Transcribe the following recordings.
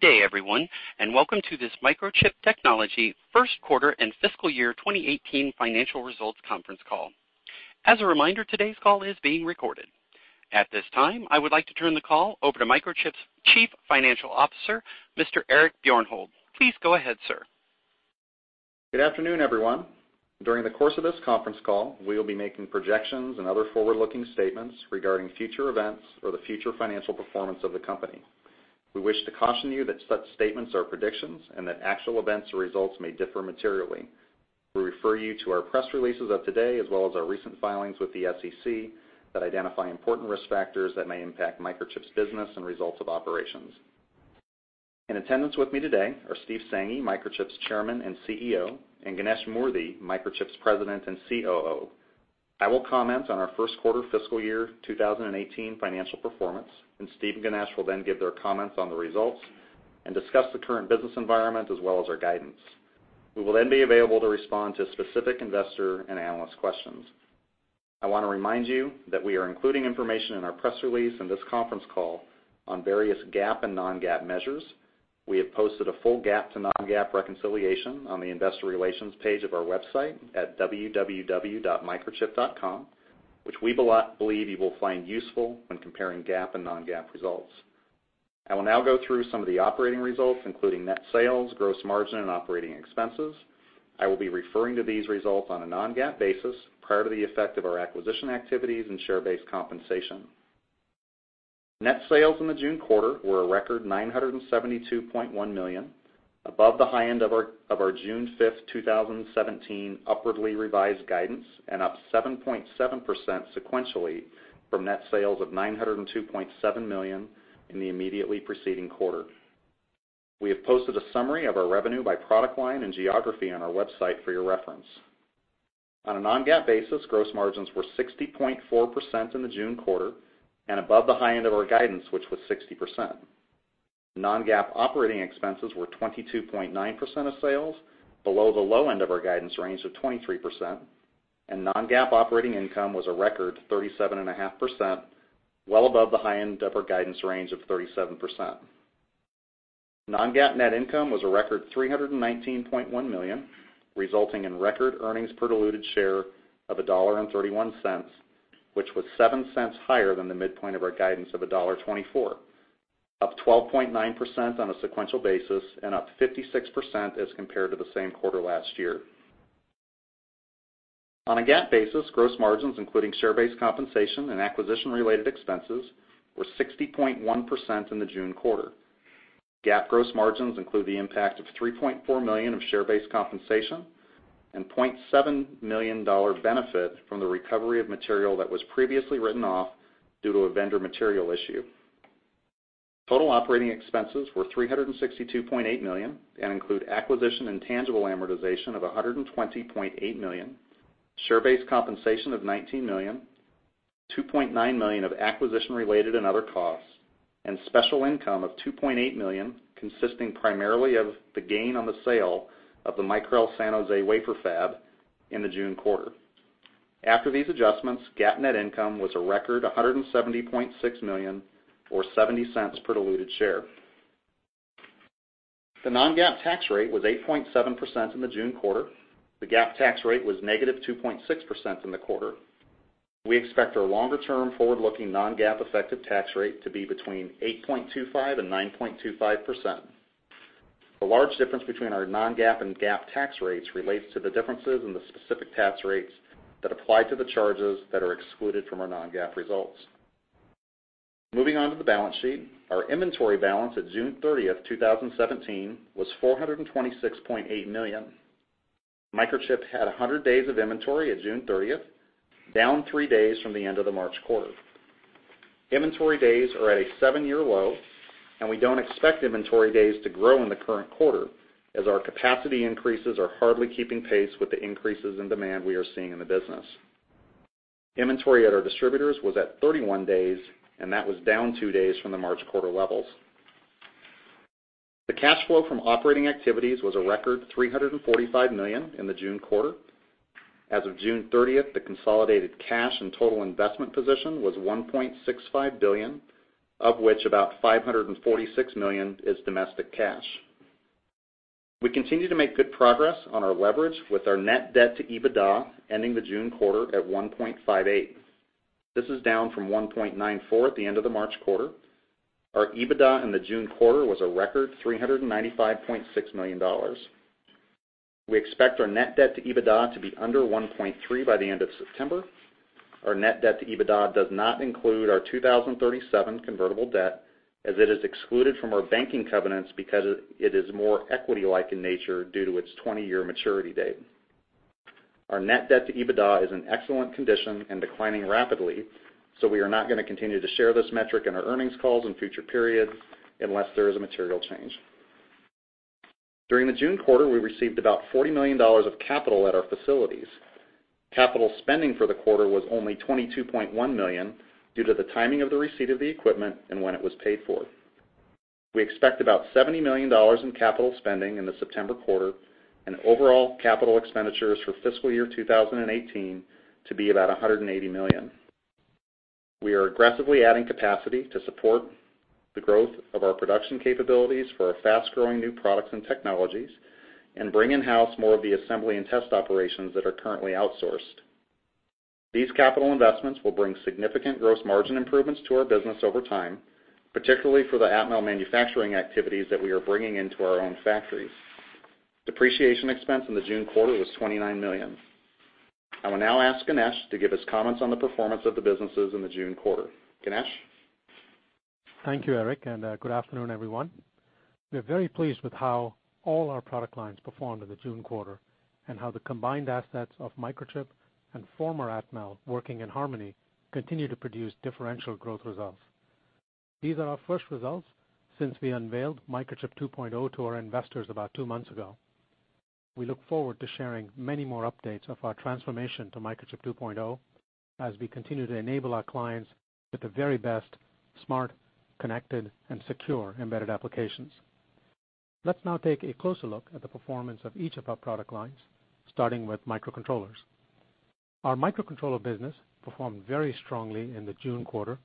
Good day, everyone, and welcome to this Microchip Technology first quarter and fiscal year 2018 financial results conference call. As a reminder, today's call is being recorded. At this time, I would like to turn the call over to Microchip's Chief Financial Officer, Mr. Eric Bjornholt. Please go ahead, sir. Good afternoon, everyone. During the course of this conference call, we will be making projections and other forward-looking statements regarding future events or the future financial performance of the company. We wish to caution you that such statements are predictions and that actual events or results may differ materially. We refer you to our press releases of today as well as our recent filings with the SEC that identify important risk factors that may impact Microchip's business and results of operations. In attendance with me today are Steve Sanghi, Microchip's Chairman and CEO, and Ganesh Moorthy, Microchip's President and COO. I will comment on our first quarter fiscal year 2018 financial performance, and Steve and Ganesh will then give their comments on the results and discuss the current business environment as well as our guidance. We will then be available to respond to specific investor and analyst questions. I want to remind you that we are including information in our press release and this conference call on various GAAP and non-GAAP measures. We have posted a full GAAP to non-GAAP reconciliation on the investor relations page of our website at www.microchip.com, which we believe you will find useful when comparing GAAP and non-GAAP results. I will now go through some of the operating results, including net sales, gross margin, and operating expenses. I will be referring to these results on a non-GAAP basis prior to the effect of our acquisition activities and share-based compensation. Net sales in the June quarter were a record $972.1 million, above the high end of our June 5th, 2017 upwardly revised guidance and up 7.7% sequentially from net sales of $902.7 million in the immediately preceding quarter. We have posted a summary of our revenue by product line and geography on our website for your reference. On a non-GAAP basis, gross margins were 60.4% in the June quarter and above the high end of our guidance, which was 60%. Non-GAAP operating expenses were 22.9% of sales, below the low end of our guidance range of 23%, and non-GAAP operating income was a record 37.5%, well above the high end of our guidance range of 37%. Non-GAAP net income was a record $319.1 million, resulting in record earnings per diluted share of $1.31, which was $0.07 higher than the midpoint of our guidance of $1.24, up 12.9% on a sequential basis and up 56% as compared to the same quarter last year. On a GAAP basis, gross margins, including share-based compensation and acquisition-related expenses, were 60.1% in the June quarter. GAAP gross margins include the impact of $3.4 million of share-based compensation and $0.7 million benefit from the recovery of material that was previously written off due to a vendor material issue. Total operating expenses were $362.8 million and include acquisition and tangible amortization of $120.8 million, share-based compensation of $19 million, $2.9 million of acquisition-related and other costs, and special income of $2.8 million, consisting primarily of the gain on the sale of the Micrel San Jose wafer fab in the June quarter. After these adjustments, GAAP net income was a record $170.6 million, or $0.70 per diluted share. The non-GAAP tax rate was 8.7% in the June quarter. The GAAP tax rate was negative 2.6% in the quarter. We expect our longer-term forward-looking non-GAAP effective tax rate to be between 8.25% and 9.25%. The large difference between our non-GAAP and GAAP tax rates relates to the differences in the specific tax rates that apply to the charges that are excluded from our non-GAAP results. Moving on to the balance sheet. Our inventory balance at June 30th, 2017, was $426.8 million. Microchip had 100 days of inventory at June 30th, down three days from the end of the March quarter. Inventory days are at a seven-year low. We don't expect inventory days to grow in the current quarter, as our capacity increases are hardly keeping pace with the increases in demand we are seeing in the business. Inventory at our distributors was at 31 days. That was down two days from the March quarter levels. The cash flow from operating activities was a record $345 million in the June quarter. As of June 30th, the consolidated cash and total investment position was $1.65 billion, of which about $546 million is domestic cash. We continue to make good progress on our leverage with our net debt to EBITDA ending the June quarter at 1.58. This is down from 1.94 at the end of the March quarter. Our EBITDA in the June quarter was a record $395.6 million. We expect our net debt to EBITDA to be under 1.3 by the end of September. Our net debt to EBITDA does not include our 2037 convertible debt, as it is excluded from our banking covenants because it is more equity-like in nature due to its 20-year maturity date. Our net debt to EBITDA is in excellent condition and declining rapidly. We are not going to continue to share this metric in our earnings calls in future periods unless there is a material change. During the June quarter, we received about $40 million of capital at our facilities. Capital spending for the quarter was only $22.1 million due to the timing of the receipt of the equipment and when it was paid for. We expect about $70 million in capital spending in the September quarter and overall capital expenditures for fiscal year 2018 to be about $180 million. We are aggressively adding capacity to support the growth of our production capabilities for our fast-growing new products and technologies, and bring in-house more of the assembly and test operations that are currently outsourced. These capital investments will bring significant gross margin improvements to our business over time, particularly for the Atmel manufacturing activities that we are bringing into our own factories. Depreciation expense in the June quarter was $29 million. I will now ask Ganesh to give his comments on the performance of the businesses in the June quarter. Ganesh? Thank you, Eric, and good afternoon, everyone. We are very pleased with how all our product lines performed in the June quarter, and how the combined assets of Microchip and former Atmel working in harmony continue to produce differential growth results. These are our first results since we unveiled Microchip 2.0 to our investors about two months ago. We look forward to sharing many more updates of our transformation to Microchip 2.0 as we continue to enable our clients with the very best smart, connected, and secure embedded applications. Let's now take a closer look at the performance of each of our product lines, starting with microcontrollers. Our microcontroller business performed very strongly in the June quarter,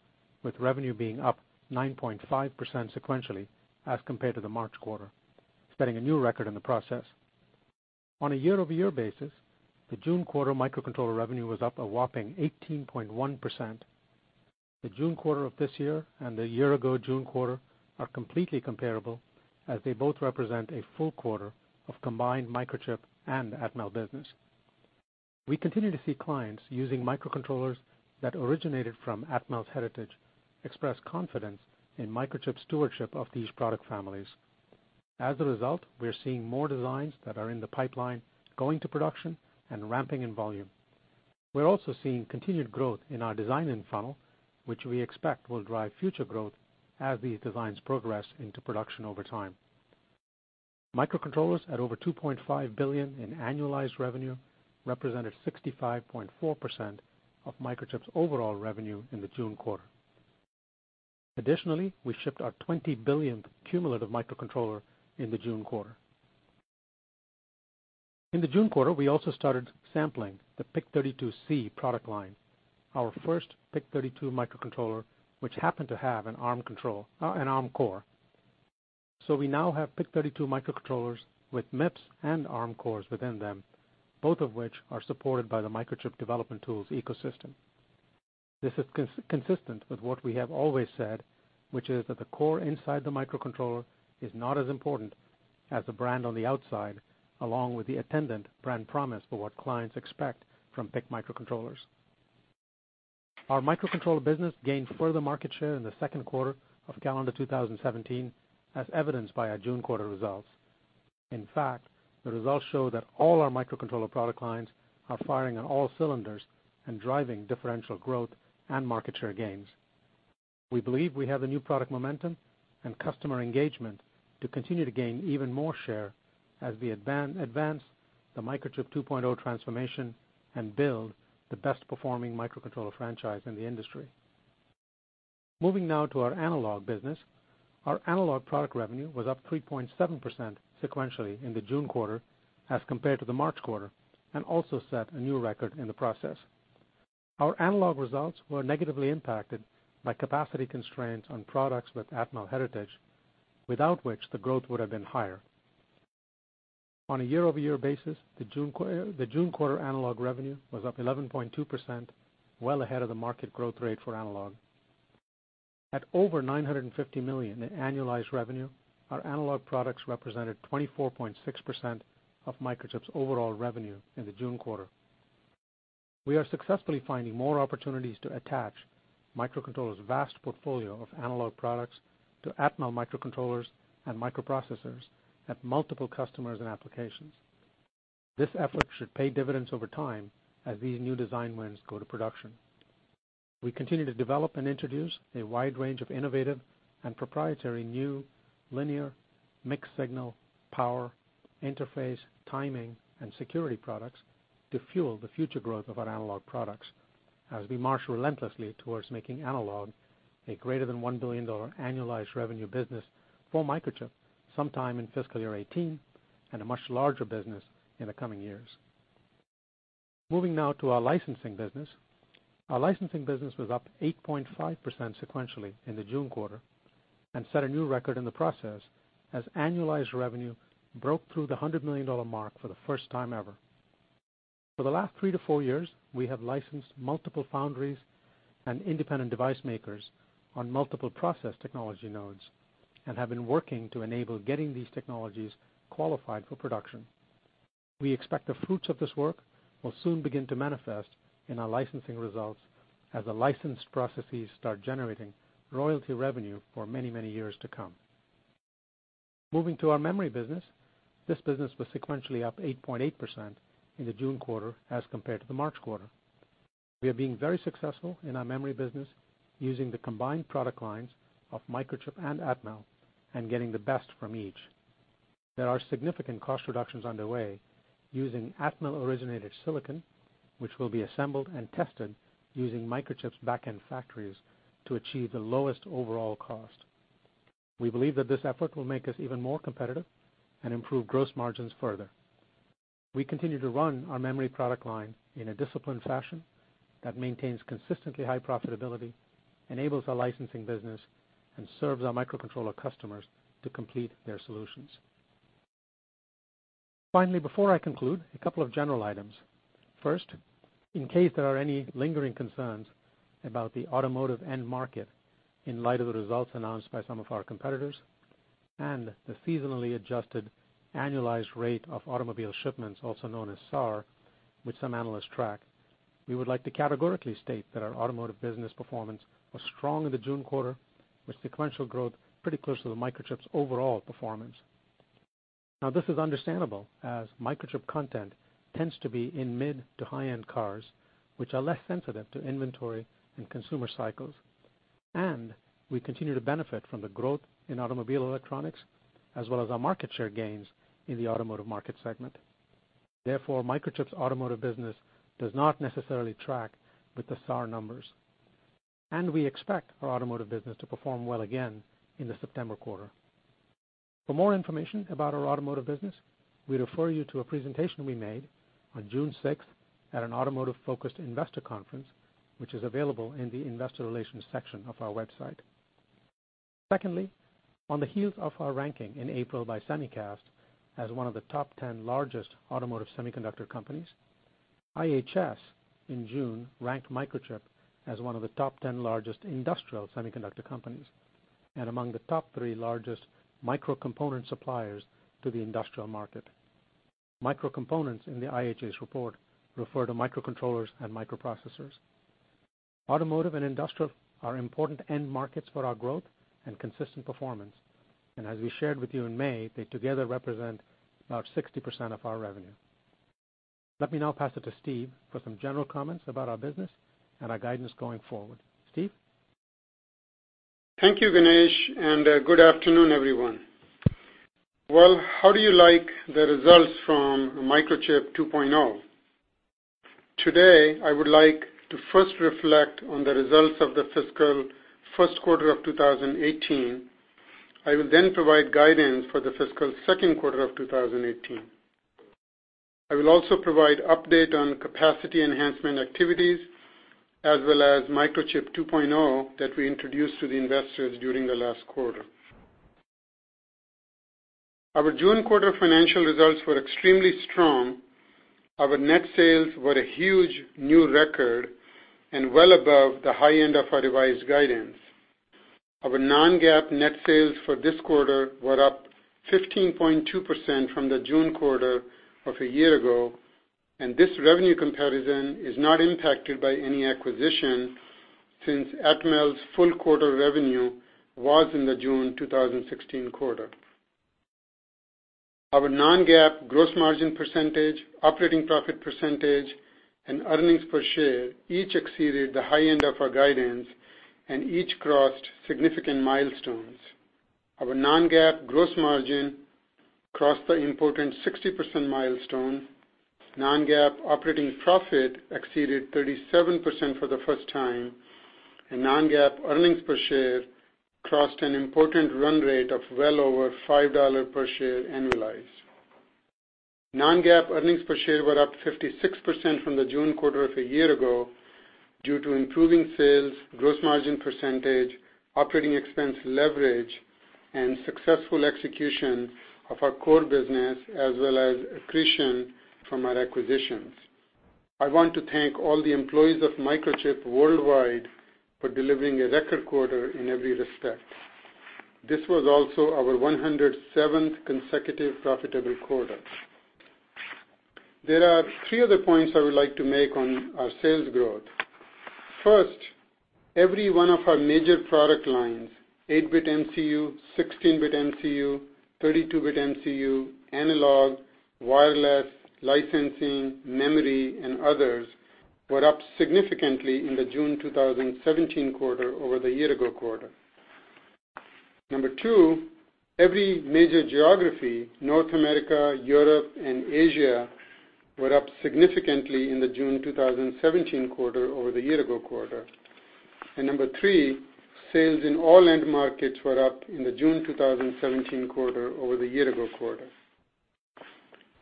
with revenue being up 9.5% sequentially as compared to the March quarter, setting a new record in the process. On a year-over-year basis, the June quarter microcontroller revenue was up a whopping 18.1%. The June quarter of this year and the year-ago June quarter are completely comparable, as they both represent a full quarter of combined Microchip and Atmel business. We continue to see clients using microcontrollers that originated from Atmel's heritage express confidence in Microchip's stewardship of these product families. As a result, we are seeing more designs that are in the pipeline going to production and ramping in volume. We are also seeing continued growth in our design-in funnel, which we expect will drive future growth as these designs progress into production over time. Microcontrollers at over $2.5 billion in annualized revenue represented 65.4% of Microchip's overall revenue in the June quarter. Additionally, we shipped our 20 billionth cumulative microcontroller in the June quarter. In the June quarter, we also started sampling the PIC32C product line, our first PIC32 microcontroller, which happened to have an Arm core. We now have PIC32 microcontrollers with MIPS and Arm cores within them, both of which are supported by the Microchip development tools ecosystem. This is consistent with what we have always said, which is that the core inside the microcontroller is not as important as the brand on the outside, along with the attendant brand promise for what clients expect from PIC microcontrollers. Our microcontroller business gained further market share in the second quarter of calendar 2017, as evidenced by our June quarter results. In fact, the results show that all our microcontroller product lines are firing on all cylinders and driving differential growth and market share gains. We believe we have the new product momentum and customer engagement to continue to gain even more share as we advance the Microchip 2.0 transformation and build the best performing microcontroller franchise in the industry. Moving now to our analog business. Our analog product revenue was up 3.7% sequentially in the June quarter as compared to the March quarter, and also set a new record in the process. Our analog results were negatively impacted by capacity constraints on products with Atmel heritage, without which the growth would have been higher. On a year-over-year basis, the June quarter analog revenue was up 11.2%, well ahead of the market growth rate for analog. At over $950 million in annualized revenue, our analog products represented 24.6% of Microchip's overall revenue in the June quarter. We are successfully finding more opportunities to attach Microcontroller's vast portfolio of analog products to Atmel microcontrollers and microprocessors at multiple customers and applications. This effort should pay dividends over time as these new design wins go to production. We continue to develop and introduce a wide range of innovative and proprietary new linear, mixed signal, power, interface, timing, and security products to fuel the future growth of our analog products as we march relentlessly towards making analog a greater than $1 billion annualized revenue business for Microchip sometime in fiscal year 2018, and a much larger business in the coming years. Moving now to our licensing business. Our licensing business was up 8.5% sequentially in the June quarter and set a new record in the process as annualized revenue broke through the $100 million mark for the first time ever. For the last three to four years, we have licensed multiple foundries and independent device makers on multiple process technology nodes and have been working to enable getting these technologies qualified for production. We expect the fruits of this work will soon begin to manifest in our licensing results as the licensed processes start generating royalty revenue for many, many years to come. Moving to our memory business. This business was sequentially up 8.8% in the June quarter as compared to the March quarter. We are being very successful in our memory business using the combined product lines of Microchip and Atmel and getting the best from each. There are significant cost reductions underway using Atmel-originated silicon, which will be assembled and tested using Microchip's back-end factories to achieve the lowest overall cost. We believe that this effort will make us even more competitive and improve gross margins further. We continue to run our memory product line in a disciplined fashion that maintains consistently high profitability, enables our licensing business, and serves our microcontroller customers to complete their solutions. Finally, before I conclude, a couple of general items. First, in case there are any lingering concerns about the automotive end market, in light of the results announced by some of our competitors, and the seasonally adjusted annualized rate of automobile shipments, also known as SAAR, which some analysts track, we would like to categorically state that our automotive business performance was strong in the June quarter, with sequential growth pretty close to the Microchip's overall performance. Now, this is understandable, as Microchip content tends to be in mid to high-end cars, which are less sensitive to inventory and consumer cycles. We continue to benefit from the growth in automobile electronics, as well as our market share gains in the automotive market segment. Therefore, Microchip's automotive business does not necessarily track with the SAAR numbers. We expect our automotive business to perform well again in the September quarter. For more information about our automotive business, we refer you to a presentation we made on June 6th at an automotive-focused investor conference, which is available in the investor relations section of our website. On the heels of our ranking in April by Semicast Research as one of the top 10 largest automotive semiconductor companies, IHS Markit in June ranked Microchip as one of the top 10 largest industrial semiconductor companies, and among the top 3 largest micro component suppliers to the industrial market. Micro components in the IHS Markit report refer to microcontrollers and microprocessors. Automotive and industrial are important end markets for our growth and consistent performance, as we shared with you in May, they together represent about 60% of our revenue. Let me now pass it to Steve for some general comments about our business and our guidance going forward. Steve? Thank you, Ganesh, good afternoon, everyone. How do you like the results from Microchip 2.0? Today, I would like to first reflect on the results of the fiscal first quarter of 2018. I will then provide guidance for the fiscal second quarter of 2018. I will also provide update on capacity enhancement activities, as well as Microchip 2.0 that we introduced to the investors during the last quarter. Our June quarter financial results were extremely strong. Our net sales were a huge new record and well above the high end of our revised guidance. Our non-GAAP net sales for this quarter were up 15.2% from the June quarter of a year ago, this revenue comparison is not impacted by any acquisition, since Atmel's full quarter revenue was in the June 2016 quarter. Our non-GAAP gross margin percentage, operating profit percentage, and earnings per share each exceeded the high end of our guidance and each crossed significant milestones. Our non-GAAP gross margin crossed the important 60% milestone. Non-GAAP operating profit exceeded 37% for the first time. Non-GAAP earnings per share crossed an important run rate of well over $5 per share annualized. Non-GAAP earnings per share were up 56% from the June quarter of a year ago due to improving sales, gross margin percentage, operating expense leverage, and successful execution of our core business, as well as accretion from our acquisitions. I want to thank all the employees of Microchip worldwide for delivering a record quarter in every respect. This was also our 107th consecutive profitable quarter. There are three other points I would like to make on our sales growth. First, every one of our major product lines, 8-bit MCU, 16-bit MCU, 32-bit MCU, analog, wireless, licensing, memory, and others, were up significantly in the June 2017 quarter over the year-ago quarter. Number 2, every major geography, North America, Europe, and Asia, were up significantly in the June 2017 quarter over the year-ago quarter. Number 3, sales in all end markets were up in the June 2017 quarter over the year-ago quarter.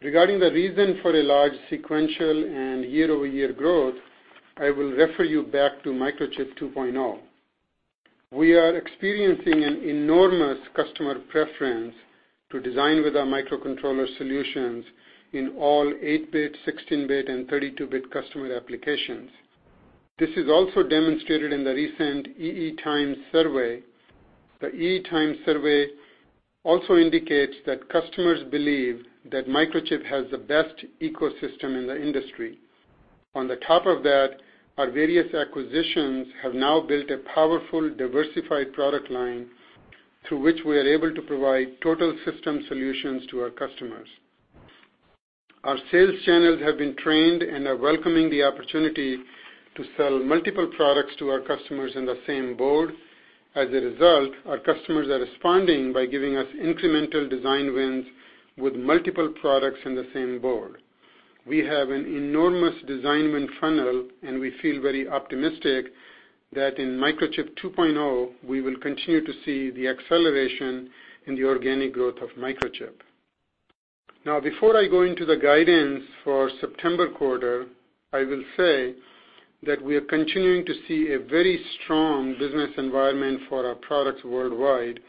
Regarding the reason for a large sequential and year-over-year growth, I will refer you back to Microchip 2.0. We are experiencing an enormous customer preference to design with our microcontroller solutions in all 8-bit, 16-bit, and 32-bit customer applications. This is also demonstrated in the recent EE Times survey. The EE Times survey also indicates that customers believe that Microchip has the best ecosystem in the industry. On the top of that, our various acquisitions have now built a powerful, diversified product line through which we are able to provide total system solutions to our customers. Our sales channels have been trained and are welcoming the opportunity to sell multiple products to our customers in the same board. As a result, our customers are responding by giving us incremental design wins with multiple products in the same board. We have an enormous design win funnel, and we feel very optimistic That in Microchip 2.0, we will continue to see the acceleration in the organic growth of Microchip. Before I go into the guidance for September quarter, I will say that we are continuing to see a very strong business environment for our products worldwide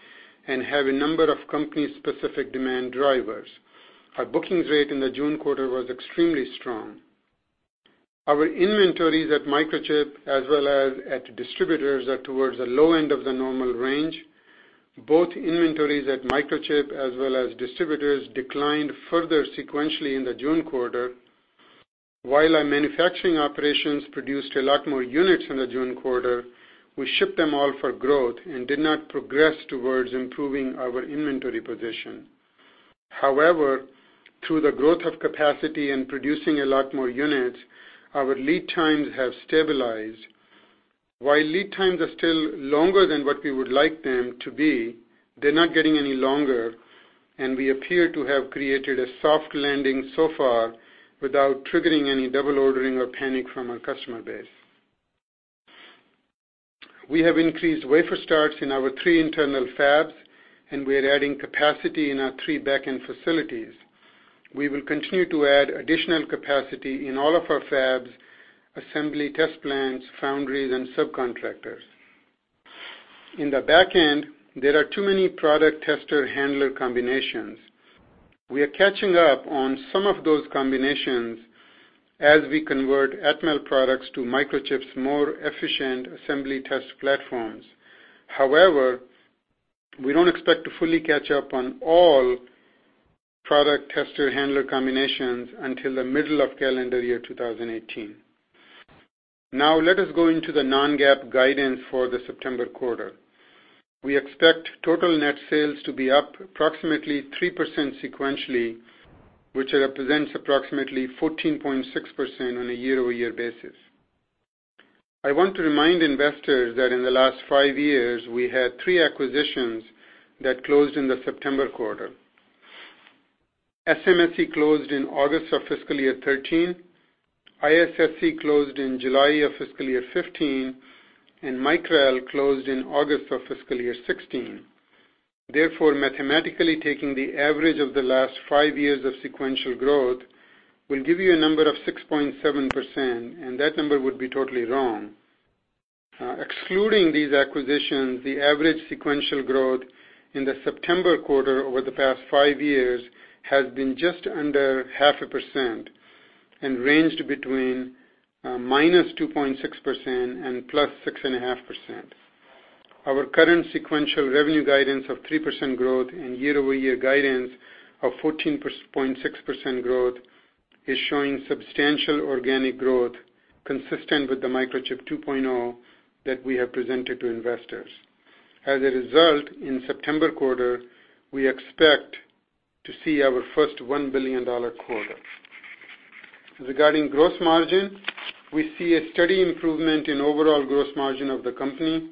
and have a number of company specific demand drivers. Our bookings rate in the June quarter was extremely strong. Our inventories at Microchip as well as at distributors are towards the low end of the normal range. Both inventories at Microchip as well as distributors declined further sequentially in the June quarter. While our manufacturing operations produced a lot more units in the June quarter, we shipped them all for growth and did not progress towards improving our inventory position. However, through the growth of capacity and producing a lot more units, our lead times have stabilized. While lead times are still longer than what we would like them to be, they are not getting any longer, and we appear to have created a soft landing so far without triggering any double ordering or panic from our customer base. We have increased wafer starts in our three internal fabs, and we are adding capacity in our three backend facilities. We will continue to add additional capacity in all of our fabs, assembly test plants, foundries, and subcontractors. In the back end, there are too many product tester handler combinations. We are catching up on some of those combinations as we convert Atmel products to Microchip's more efficient assembly test platforms. However, we do not expect to fully catch up on all product tester handler combinations until the middle of calendar year 2018. Now let us go into the non-GAAP guidance for the September quarter. We expect total net sales to be up approximately 3% sequentially, which represents approximately 14.6% on a year-over-year basis. I want to remind investors that in the last five years, we had three acquisitions that closed in the September quarter. SMSC closed in August of fiscal year 2013, ISSC closed in July of fiscal year 2015, and Micrel closed in August of fiscal year 2016. Therefore, mathematically taking the average of the last five years of sequential growth will give you a number of 6.7%, and that number would be totally wrong. Excluding these acquisitions, the average sequential growth in the September quarter over the past five years has been just under half a percent and ranged between -2.6% and +6.5%. Our current sequential revenue guidance of 3% growth and year-over-year guidance of 14.6% growth is showing substantial organic growth consistent with the Microchip 2.0 that we have presented to investors. As a result, in September quarter, we expect to see our first $1 billion quarter. Regarding gross margin, we see a steady improvement in overall gross margin of the company.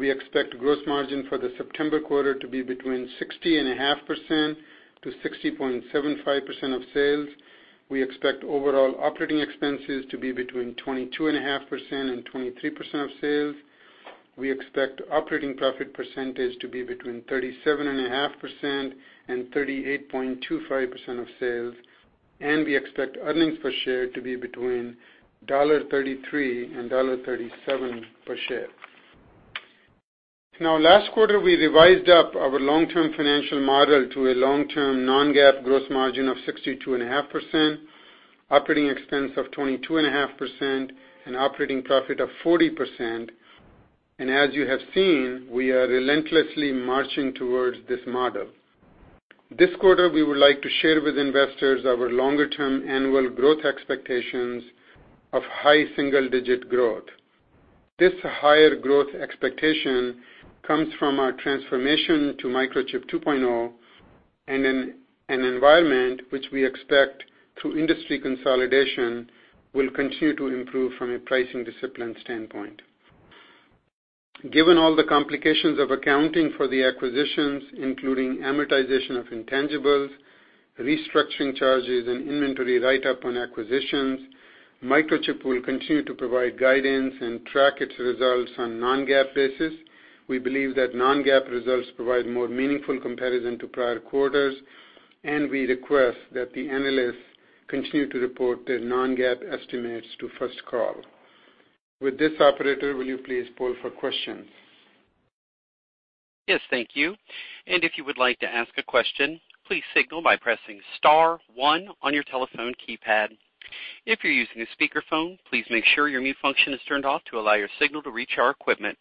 We expect gross margin for the September quarter to be between 60.5%-60.75% of sales. We expect overall operating expenses to be between 22.5% and 23% of sales. We expect operating profit percentage to be between 37.5% and 38.25% of sales. We expect earnings per share to be between $1.33 and $1.37 per share. Last quarter we revised up our long term financial model to a long term non-GAAP gross margin of 62.5%, operating expense of 22.5%, and operating profit of 40%. As you have seen, we are relentlessly marching towards this model. This quarter, we would like to share with investors our longer term annual growth expectations of high single digit growth. This higher growth expectation comes from our transformation to Microchip 2.0 and in an environment which we expect through industry consolidation will continue to improve from a pricing discipline standpoint. Given all the complications of accounting for the acquisitions, including amortization of intangibles, restructuring charges, and inventory write-up on acquisitions, Microchip will continue to provide guidance and track its results on non-GAAP basis. We believe that non-GAAP results provide more meaningful comparison to prior quarters. We request that the analysts continue to report their non-GAAP estimates to First Call. With this, operator, will you please poll for questions? Yes, thank you. If you would like to ask a question, please signal by pressing star one on your telephone keypad. If you're using a speakerphone, please make sure your mute function is turned off to allow your signal to reach our equipment.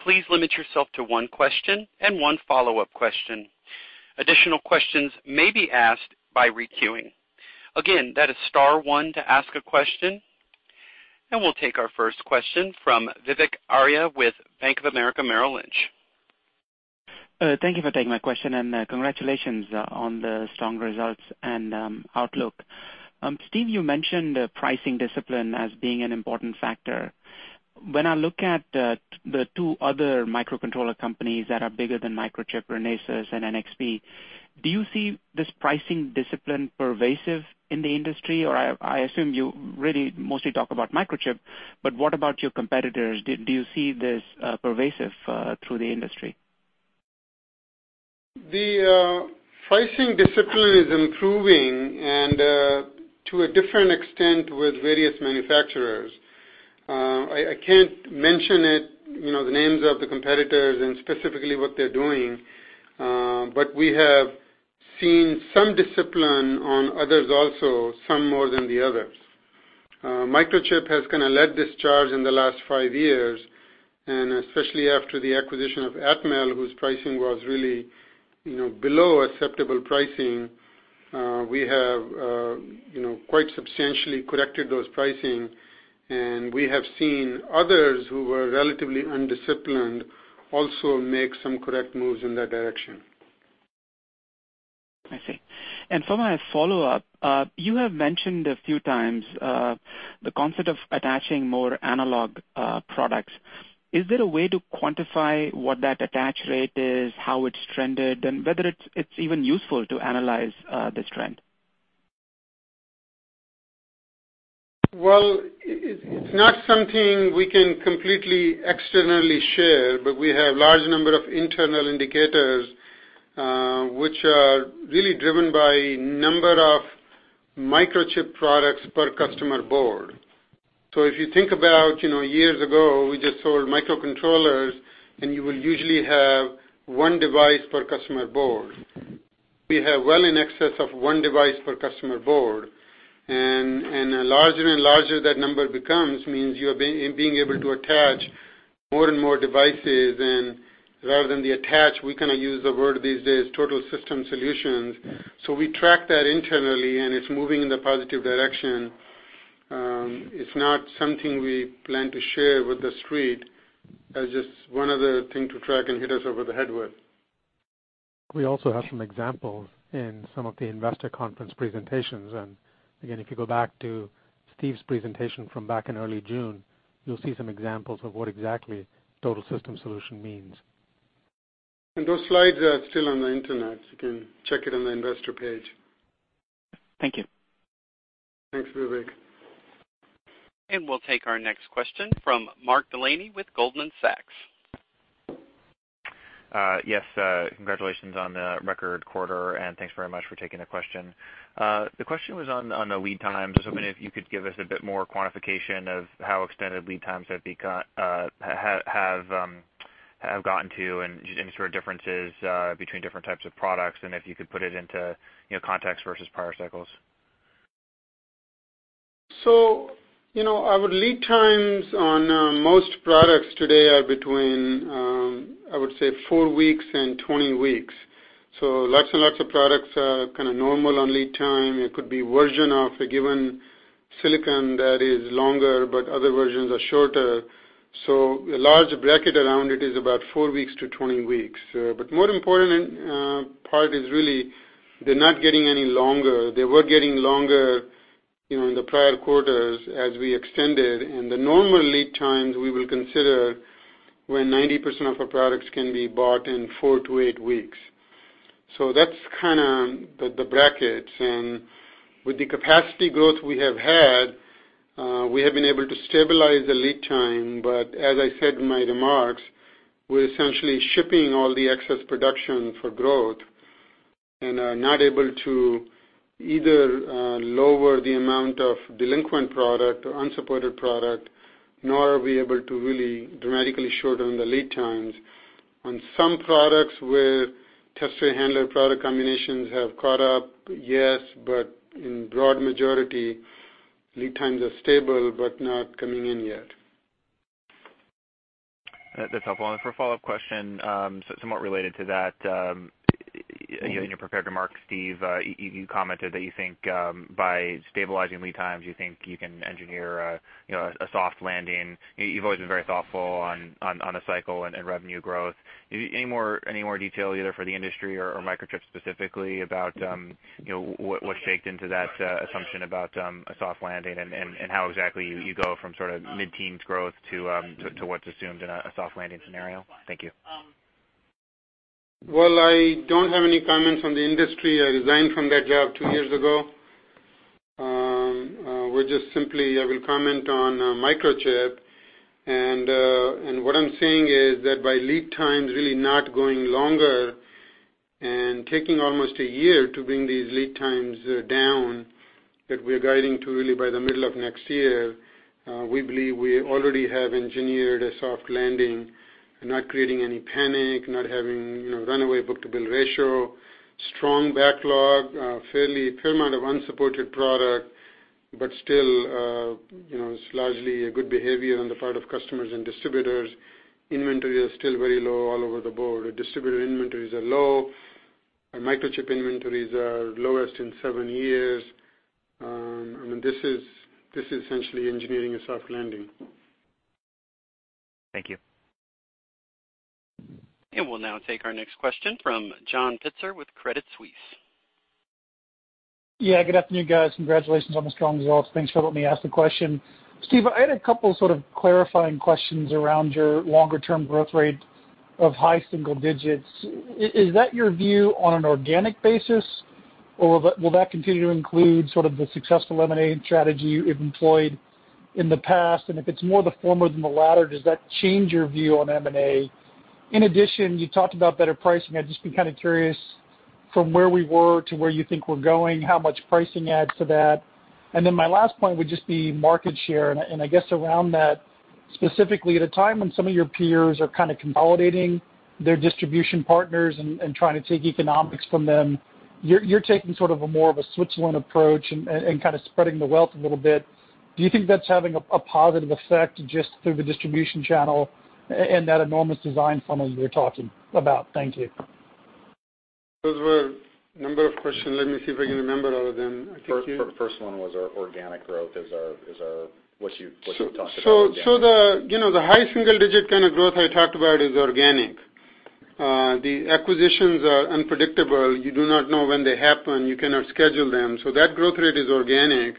Please limit yourself to one question and one follow-up question. Additional questions may be asked by re-queuing. Again, that is star one to ask a question. We'll take our first question from Vivek Arya with Bank of America Merrill Lynch. Thank you for taking my question. Congratulations on the strong results and outlook. Steve, you mentioned pricing discipline as being an important factor. When I look at the two other microcontroller companies that are bigger than Microchip, Renesas and NXP, do you see this pricing discipline pervasive in the industry? I assume you really mostly talk about Microchip, but what about your competitors? Do you see this pervasive through the industry? The pricing discipline is improving and to a different extent with various manufacturers. I can't mention the names of the competitors and specifically what they're doing. We have seen some discipline on others also, some more than the others. Microchip has led this charge in the last five years, and especially after the acquisition of Atmel, whose pricing was really below acceptable pricing, we have quite substantially corrected those pricing. We have seen others who were relatively undisciplined also make some correct moves in that direction. I see. For my follow-up, you have mentioned a few times, the concept of attaching more analog products. Is there a way to quantify what that attach rate is, how it's trended, and whether it's even useful to analyze this trend? Well, it's not something we can completely externally share, we have large number of internal indicators, which are really driven by number of Microchip products per customer board. If you think about years ago, we just sold microcontrollers and you will usually have one device per customer board. We have well in excess of one device per customer board, and the larger and larger that number becomes means you're being able to attach more and more devices and rather than the attach, we use the word these days, total system solutions. We track that internally, and it's moving in the positive direction. It's not something we plan to share with the street as just one other thing to track and hit us over the head with. We also have some examples in some of the investor conference presentations. Again, if you go back to Steve's presentation from back in early June, you'll see some examples of what exactly total system solution means. Those slides are still on the Internet. You can check it on the investor page. Thank you. Thanks, Vivek. We'll take our next question from Mark Delaney with Goldman Sachs. Yes. Congratulations on the record quarter, thanks very much for taking the question. The question was on the lead times. I was hoping if you could give us a bit more quantification of how extended lead times have gotten to and any sort of differences between different types of products and if you could put it into context versus prior cycles. Our lead times on most products today are between, I would say, 4 weeks and 20 weeks. Lots and lots of products are kind of normal on lead time. It could be version of a given silicon that is longer, but other versions are shorter. A large bracket around it is about 4 weeks to 20 weeks. More important part is really they're not getting any longer. They were getting longer in the prior quarters as we extended. The normal lead times we will consider when 90% of our products can be bought in 4 to 8 weeks. That's the brackets. With the capacity growth we have had, we have been able to stabilize the lead time. As I said in my remarks, we're essentially shipping all the excess production for growth and are not able to either lower the amount of delinquent product or unsupported product, nor are we able to really dramatically shorten the lead times. On some products where tester handler product combinations have caught up, yes, but in broad majority, lead times are stable but not coming in yet. That's helpful. For a follow-up question, somewhat related to that, in your prepared remarks, Steve, you commented that you think by stabilizing lead times, you think you can engineer a soft landing. You've always been very thoughtful on a cycle and revenue growth. Any more detail either for the industry or Microchip specifically about what shaped into that assumption about a soft landing and how exactly you go from mid-teens growth to what's assumed in a soft landing scenario? Thank you. Well, I don't have any comments on the industry. I resigned from that job two years ago. I will comment on Microchip, what I'm saying is that by lead times really not going longer and taking almost a year to bring these lead times down, that we are guiding to really by the middle of next year, we believe we already have engineered a soft landing. We're not creating any panic, not having runaway book-to-bill ratio, strong backlog, fair amount of unsupported product, but still, it's largely a good behavior on the part of customers and distributors. Inventory is still very low all over the board. The distributor inventories are low, and Microchip inventories are lowest in seven years. This is essentially engineering a soft landing. Thank you. We'll now take our next question from John Pitzer with Credit Suisse. Yeah. Good afternoon, guys. Congratulations on the strong results. Thanks for letting me ask the question. Steve, I had a couple sort of clarifying questions around your longer-term growth rate of high single digits. Is that your view on an organic basis, or will that continue to include sort of the successful M&A strategy you've employed in the past, if it's more the former than the latter, does that change your view on M&A? In addition, you talked about better pricing. I'd just be kind of curious from where we were to where you think we're going, how much pricing adds to that. My last point would just be market share. I guess around that, specifically at a time when some of your peers are kind of consolidating their distribution partners and trying to take economics from them, you're taking sort of a more of a Switzerland approach and kind of spreading the wealth a little bit. Do you think that's having a positive effect just through the distribution channel and that enormous design funnel you were talking about? Thank you. Those were a number of questions. Let me see if I can remember all of them. I think you First one was our organic growth, what you talked about organic. The high single digit kind of growth I talked about is organic. The acquisitions are unpredictable. You do not know when they happen. You cannot schedule them. That growth rate is organic.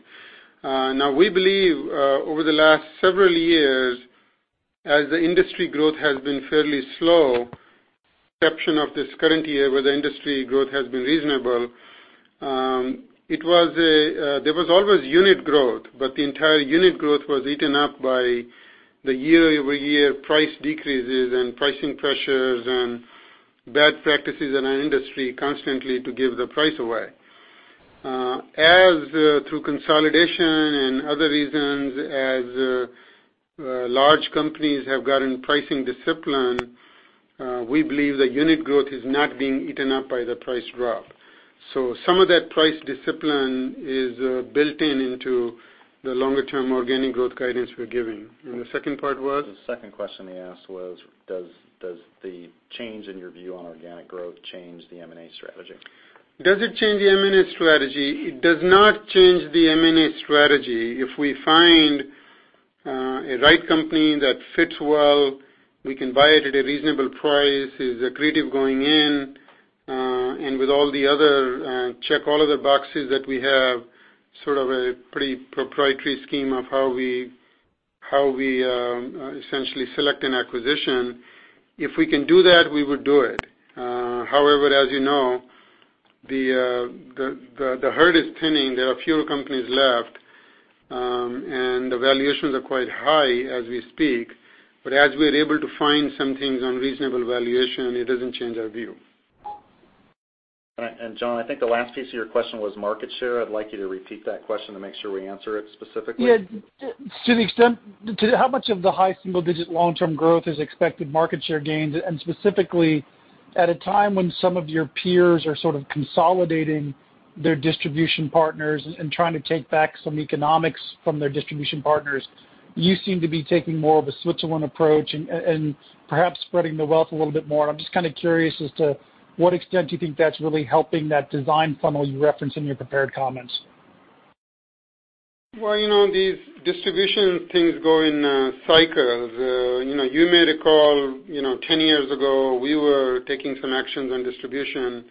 We believe, over the last several years, as the industry growth has been fairly slow, exception of this current year where the industry growth has been reasonable, there was always unit growth, but the entire unit growth was eaten up by the year-over-year price decreases and pricing pressures and bad practices in our industry constantly to give the price away. As through consolidation and other reasons, as large companies have gotten pricing discipline, we believe the unit growth is not being eaten by the price drop. Some of that price discipline is built in into the longer-term organic growth guidance we're giving. The second part was? The second question he asked was, does the change in your view on organic growth change the M&A strategy? Does it change the M&A strategy? It does not change the M&A strategy. If we find a right company that fits well, we can buy it at a reasonable price, is accretive going in, and check all of the boxes that we have sort of a pretty proprietary scheme of how we essentially select an acquisition. If we can do that, we would do it. As you know, the herd is thinning. There are fewer companies left, and the valuations are quite high as we speak. As we're able to find some things on reasonable valuation, it doesn't change our view. All right. John, I think the last piece of your question was market share. I'd like you to repeat that question to make sure we answer it specifically. Yeah. How much of the high single digit long-term growth is expected market share gains? Specifically, at a time when some of your peers are sort of consolidating their distribution partners and trying to take back some economics from their distribution partners, you seem to be taking more of a Switzerland approach and perhaps spreading the wealth a little bit more. I'm just kind of curious as to what extent you think that's really helping that design funnel you referenced in your prepared comments. Well, these distribution things go in cycles. You made a call 10 years ago, we were taking some actions on distribution,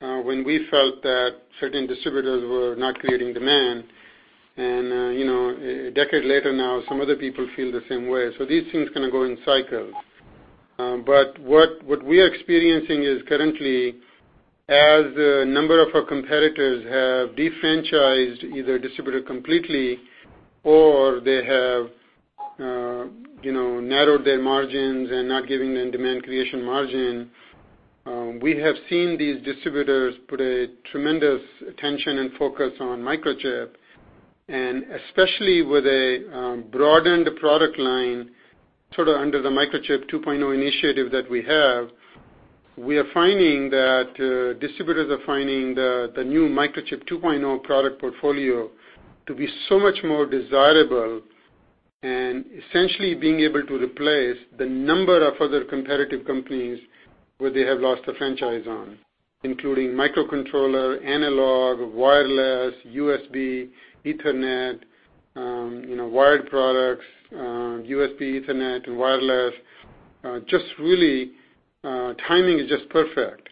when we felt that certain distributors were not creating demand. A decade later now, some other people feel the same way. These things kind of go in cycles. What we're experiencing is currently, as a number of our competitors have defranchised either distributor completely or they have narrowed their margins and not giving them demand creation margin, we have seen these distributors put a tremendous attention and focus on Microchip, and especially with a broadened product line, sort of under the Microchip 2.0 initiative that we have, we are finding that distributors are finding the new Microchip 2.0 product portfolio to be so much more desirable and essentially being able to replace the number of other competitive companies where they have lost a franchise on, including microcontroller, analog, wireless, USB, Ethernet, wired products, USB Ethernet, wireless. Just really, timing is just perfect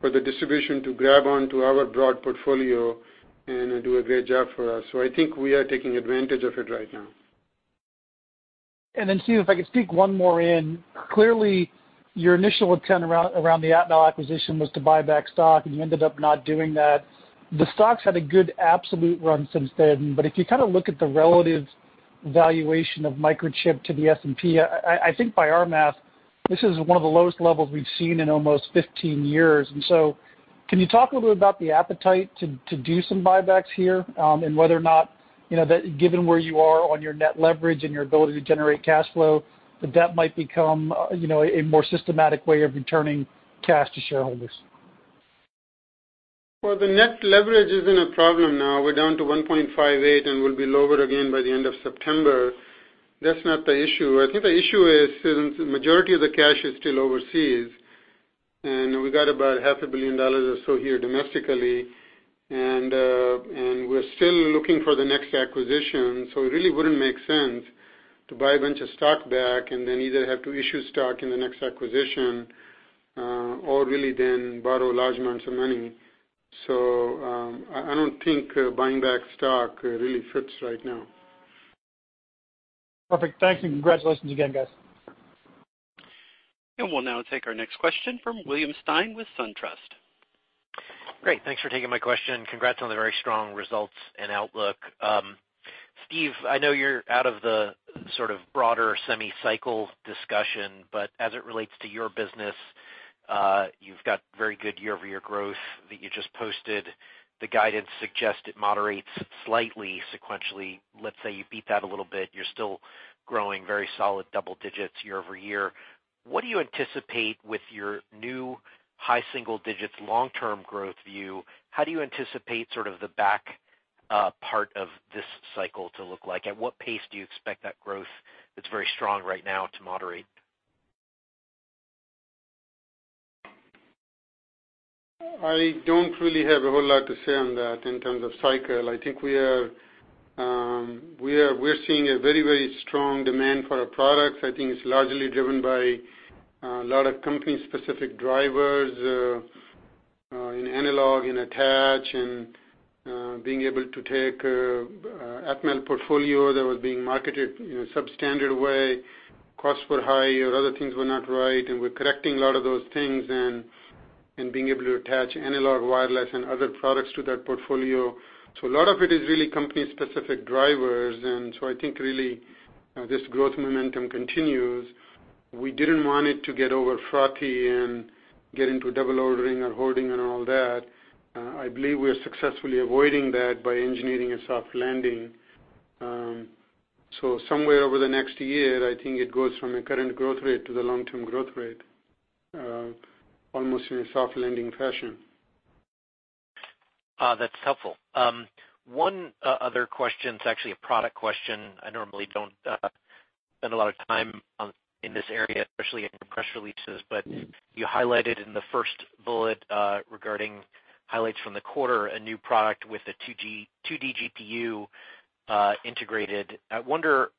for the distribution to grab onto our broad portfolio and do a great job for us. I think we are taking advantage of it right now. Steve, if I could sneak one more in. Clearly, your initial intent around the Atmel acquisition was to buy back stock, and you ended up not doing that. The stock's had a good absolute run since then, but if you look at the relative valuation of Microchip to the S&P, I think by our math, this is one of the lowest levels we've seen in almost 15 years. Can you talk a little bit about the appetite to do some buybacks here, and whether or not, given where you are on your net leverage and your ability to generate cash flow, the debt might become a more systematic way of returning cash to shareholders? Well, the net leverage isn't a problem now. We're down to 1.58, and we'll be lower again by the end of September. That's not the issue. I think the issue is since the majority of the cash is still overseas, and we got about half a billion dollars or so here domestically, and we're still looking for the next acquisition. It really wouldn't make sense to buy a bunch of stock back and then either have to issue stock in the next acquisition, or really then borrow large amounts of money. I don't think buying back stock really fits right now. Perfect. Congratulations again, guys. We'll now take our next question from William Stein with SunTrust. Great. Thanks for taking my question. Congrats on the very strong results and outlook. Steve, I know you're out of the sort of broader semi cycle discussion, but as it relates to your business, you've got very good year-over-year growth that you just posted. The guidance suggests it moderates slightly sequentially. Let's say you beat that a little bit, you're still growing very solid double digits year-over-year. What do you anticipate with your new high single digits long-term growth view? How do you anticipate sort of the back part of this cycle to look like? At what pace do you expect that growth that's very strong right now to moderate? I don't really have a whole lot to say on that in terms of cycle. I think we're seeing a very strong demand for our products. I think it's largely driven by a lot of company specific drivers, in analog, in attach, and being able to take Atmel portfolio that was being marketed in a substandard way. Costs were high or other things were not right, and we're correcting a lot of those things and being able to attach analog, wireless, and other products to that portfolio. A lot of it is really company specific drivers. I think really this growth momentum continues. We didn't want it to get over frothy and get into double ordering or hoarding and all that. I believe we are successfully avoiding that by engineering a soft landing. Somewhere over the next year, I think it goes from a current growth rate to the long-term growth rate, almost in a soft landing fashion. That's helpful. One other question, it's actually a product question. I normally don't spend a lot of time in this area, especially in press releases, but you highlighted in the first bullet, regarding highlights from the quarter, a new product with a 2D GPU integrated. I wonder,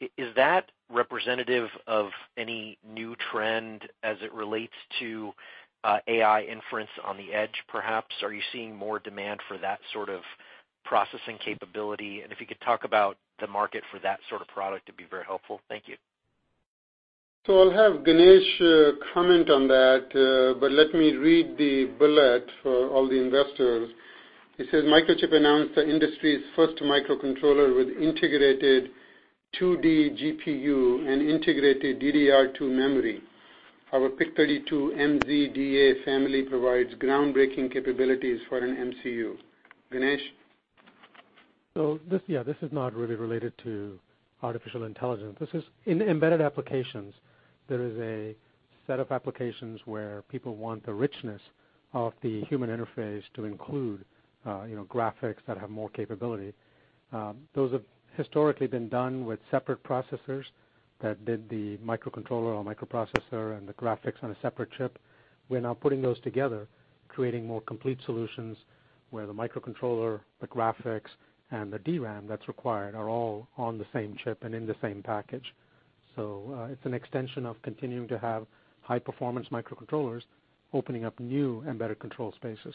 is that representative of any new trend as it relates to AI inference on the edge, perhaps? Are you seeing more demand for that sort of processing capability? If you could talk about the market for that sort of product, it'd be very helpful. Thank you. I'll have Ganesh comment on that, but let me read the bullet for all the investors. It says, Microchip announced the industry's first microcontroller with integrated 2D GPU and integrated DDR2 memory. Our PIC32MZ DA family provides groundbreaking capabilities for an MCU. Ganesh? This is not really related to artificial intelligence. This is in embedded applications. There is a set of applications where people want the richness of the human interface to include graphics that have more capability. Those have historically been done with separate processors that did the microcontroller or microprocessor and the graphics on a separate chip. We're now putting those together, creating more complete solutions where the microcontroller, the graphics, and the DRAM that's required are all on the same chip and in the same package. It's an extension of continuing to have high performance microcontrollers opening up new embedded control spaces.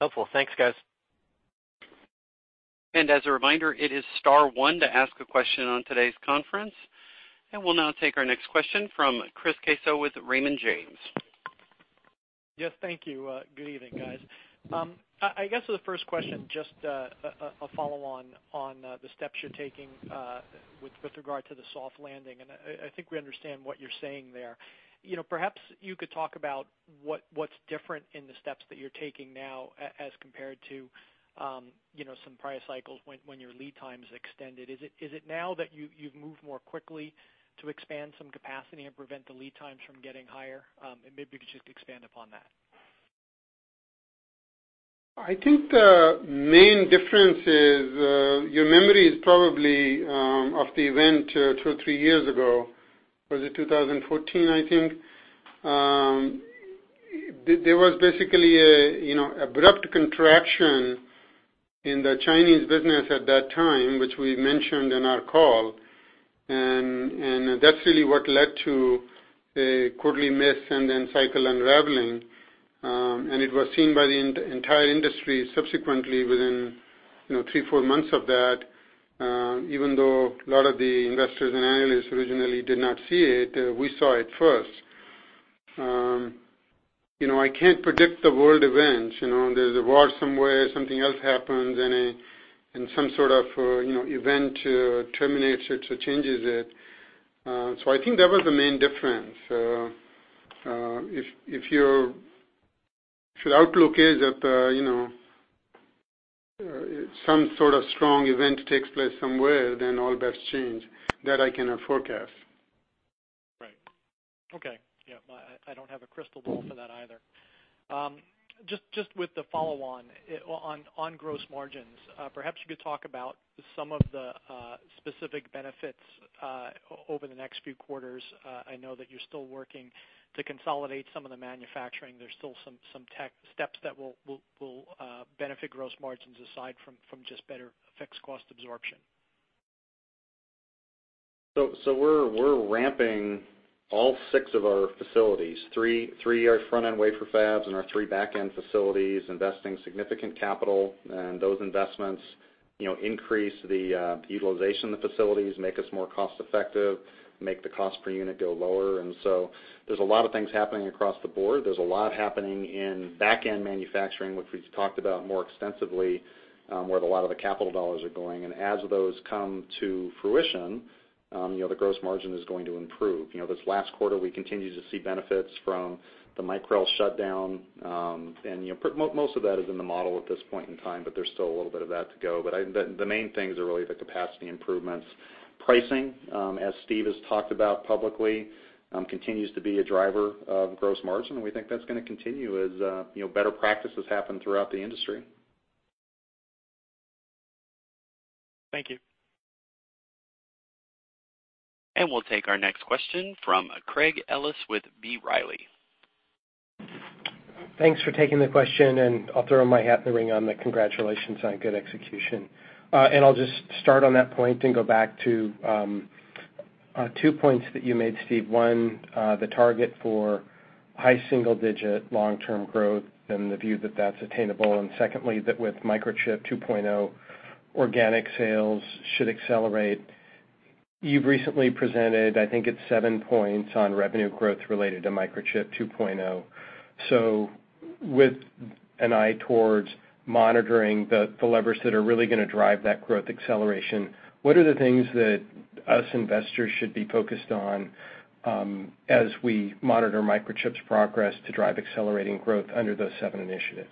Helpful. Thanks, guys. As a reminder, it is star one to ask a question on today's conference. We'll now take our next question from Chris Caso with Raymond James. Thank you. Good evening, guys. I guess the first question, just a follow on the steps you're taking, with regard to the soft landing. I think we understand what you're saying there. Perhaps you could talk about what's different in the steps that you're taking now as compared to some prior cycles when your lead times extended. Is it now that you've moved more quickly to expand some capacity and prevent the lead times from getting higher? Maybe you could just expand upon that. I think the main difference is, your memory is probably of the event two or three years ago. Was it 2014, I think? There was an abrupt contraction in the Chinese business at that time, which we mentioned in our call. That's really what led to a quarterly miss and then cycle unraveling. It was seen by the entire industry subsequently within three, four months of that, even though a lot of the investors and analysts originally did not see it, we saw it first. I can't predict the world events. There's a war somewhere, something else happens, and some sort of event terminates it or changes it. I think that was the main difference. If your outlook is that some sort of strong event takes place somewhere, then all bets change. That I cannot forecast. Right. Okay. Yeah, I don't have a crystal ball for that either. Just with the follow on gross margins, perhaps you could talk about some of the specific benefits over the next few quarters. I know that you're still working to consolidate some of the manufacturing. There's still some tech steps that will benefit gross margins aside from just better fixed cost absorption. We're ramping all six of our facilities, three are front-end wafer fabs and our three back-end facilities, investing significant capital, and those investments increase the utilization of the facilities, make us more cost-effective, make the cost per unit go lower. There's a lot of things happening across the board. There's a lot happening in back-end manufacturing, which we've talked about more extensively, where a lot of the capital dollars are going. As those come to fruition, the gross margin is going to improve. This last quarter, we continue to see benefits from the Micrel shutdown, and most of that is in the model at this point in time, but there's still a little bit of that to go. The main things are really the capacity improvements. Pricing, as Steve has talked about publicly, continues to be a driver of gross margin, and we think that's going to continue as better practices happen throughout the industry. Thank you. We'll take our next question from Craig Ellis with B. Riley. Thanks for taking the question, I'll throw my hat in the ring on the congratulations on good execution. I'll just start on that point and go back to two points that you made, Steve. One, the target for high single-digit long-term growth and the view that that's attainable. Secondly, that with Microchip 2.0, organic sales should accelerate. You've recently presented, I think it's seven points on revenue growth related to Microchip 2.0. With an eye towards monitoring the levers that are really going to drive that growth acceleration, what are the things that us investors should be focused on as we monitor Microchip's progress to drive accelerating growth under those seven initiatives?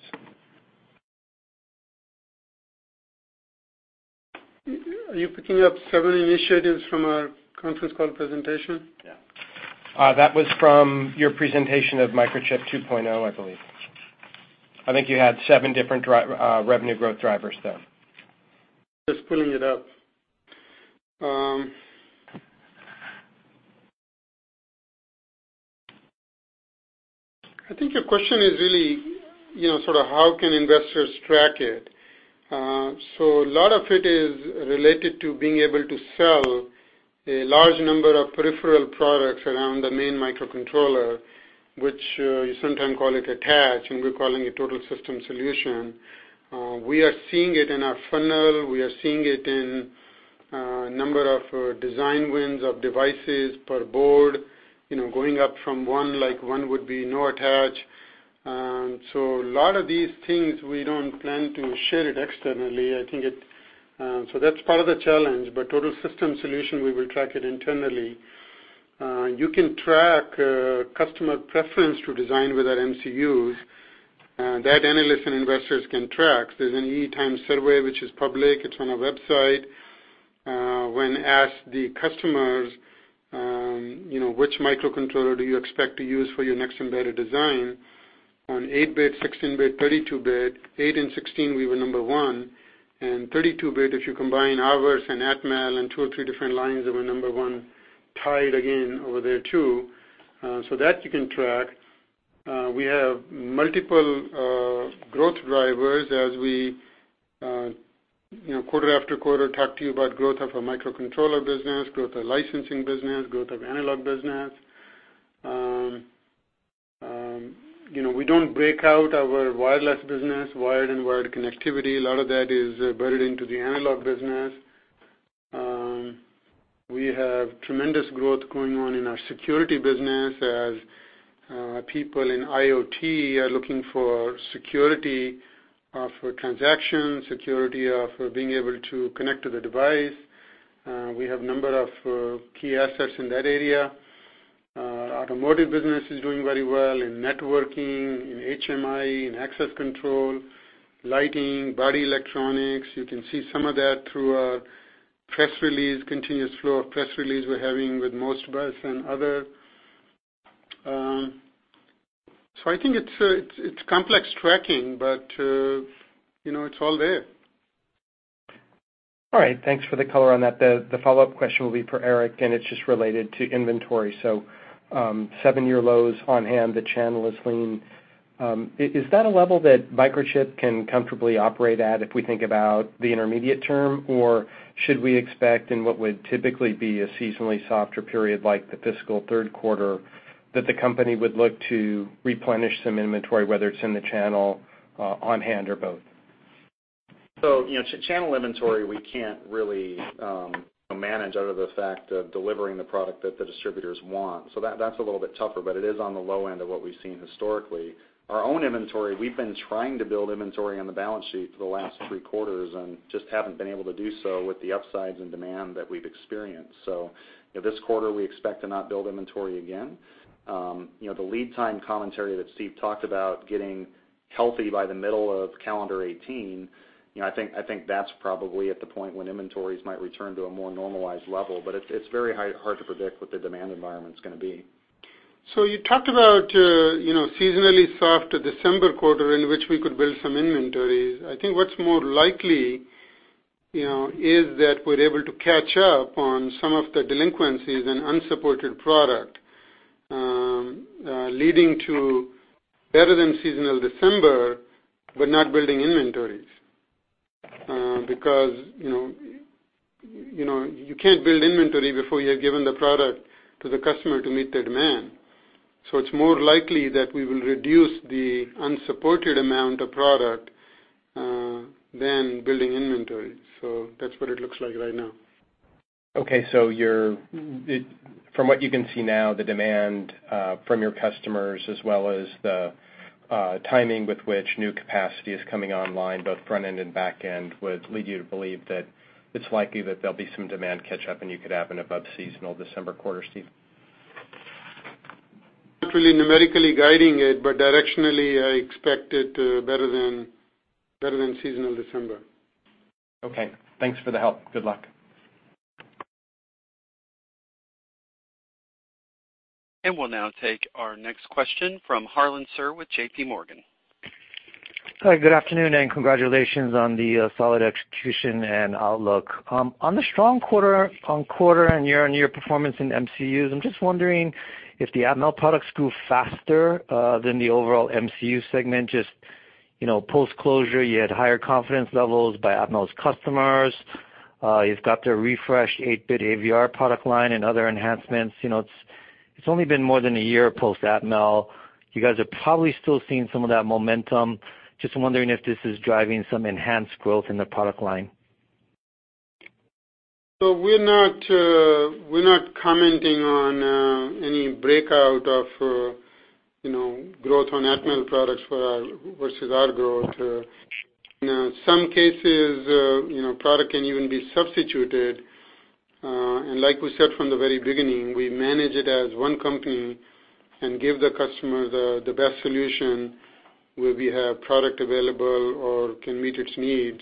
Are you picking up seven initiatives from our conference call presentation? That was from your presentation of Microchip 2.0, I believe. I think you had seven different revenue growth drivers there. Just pulling it up. I think your question is really sort of how can investors track it. A lot of it is related to being able to sell a large number of peripheral products around the main microcontroller, which you sometimes call it attach, and we're calling it total system solution. We are seeing it in our funnel. We are seeing it in number of design wins of devices per board, going up from one, like one would be no attach. A lot of these things, we don't plan to share it externally. That's part of the challenge. Total system solution, we will track it internally. You can track customer preference to design with our MCUs. That analysts and investors can track. There's an EE Times survey, which is public. It's on our website. When asked the customers, which microcontroller do you expect to use for your next embedded design on eight bit, 16 bit, 32 bit, eight and 16, we were number one, and 32 bit, if you combine ours and Atmel and two or three different lines, we were number one, tied again over there, too. That you can track. We have multiple growth drivers as we, quarter after quarter, talk to you about growth of our microcontroller business, growth of licensing business, growth of analog business. We don't break out our wireless business, wired and wired connectivity. A lot of that is buried into the analog business. We have tremendous growth going on in our security business as people in IoT are looking for security for transaction, security for being able to connect to the device. We have a number of key assets in that area. Automotive business is doing very well in networking, in HMI, in access control, lighting, body electronics. You can see some of that through our press release, continuous flow of press release we're having with MOST Bus and other. I think it's complex tracking, but it's all there. All right. Thanks for the color on that. The follow-up question will be for Eric, and it's just related to inventory. Seven-year lows on hand, the channel is lean. Is that a level that Microchip can comfortably operate at if we think about the intermediate term? Or should we expect in what would typically be a seasonally softer period like the fiscal third quarter, that the company would look to replenish some inventory, whether it's in the channel, on-hand or both? Channel inventory, we can't really manage out of the fact of delivering the product that the distributors want. That's a little bit tougher, but it is on the low end of what we've seen historically. Our own inventory, we've been trying to build inventory on the balance sheet for the last three quarters and just haven't been able to do so with the upsides and demand that we've experienced. This quarter, we expect to not build inventory again. The lead time commentary that Steve talked about, getting healthy by the middle of calendar 2018, I think that's probably at the point when inventories might return to a more normalized level. It's very hard to predict what the demand environment's going to be. You talked about seasonally soft December quarter in which we could build some inventories. I think what's more likely, is that we're able to catch up on some of the delinquencies and unsupported product leading to better than seasonal December, not building inventories. You can't build inventory before you have given the product to the customer to meet their demand. It's more likely that we will reduce the unsupported amount of product than building inventories. That's what it looks like right now. Okay. From what you can see now, the demand from your customers, as well as the timing with which new capacity is coming online, both front end and back end, would lead you to believe that it's likely that there'll be some demand catch-up and you could have an above seasonal December quarter, Steve? Not really numerically guiding it, directionally, I expect it better than seasonal December. Okay. Thanks for the help. Good luck. We'll now take our next question from Harlan Sur with J.P. Morgan. Hi, good afternoon. Congratulations on the solid execution and outlook. On the strong quarter-over-quarter and year-over-year performance in MCUs, I'm just wondering if the Atmel products grew faster than the overall MCU segment, just post-closure, you had higher confidence levels by Atmel's customers. You've got the refreshed 8-bit AVR product line and other enhancements. It's only been more than a year post-Atmel. You guys are probably still seeing some of that momentum. Just wondering if this is driving some enhanced growth in the product line. We're not commenting on any breakout of growth on Atmel products versus our growth. In some cases, product can even be substituted. Like we said from the very beginning, we manage it as one company and give the customer the best solution where we have product available or can meet its needs.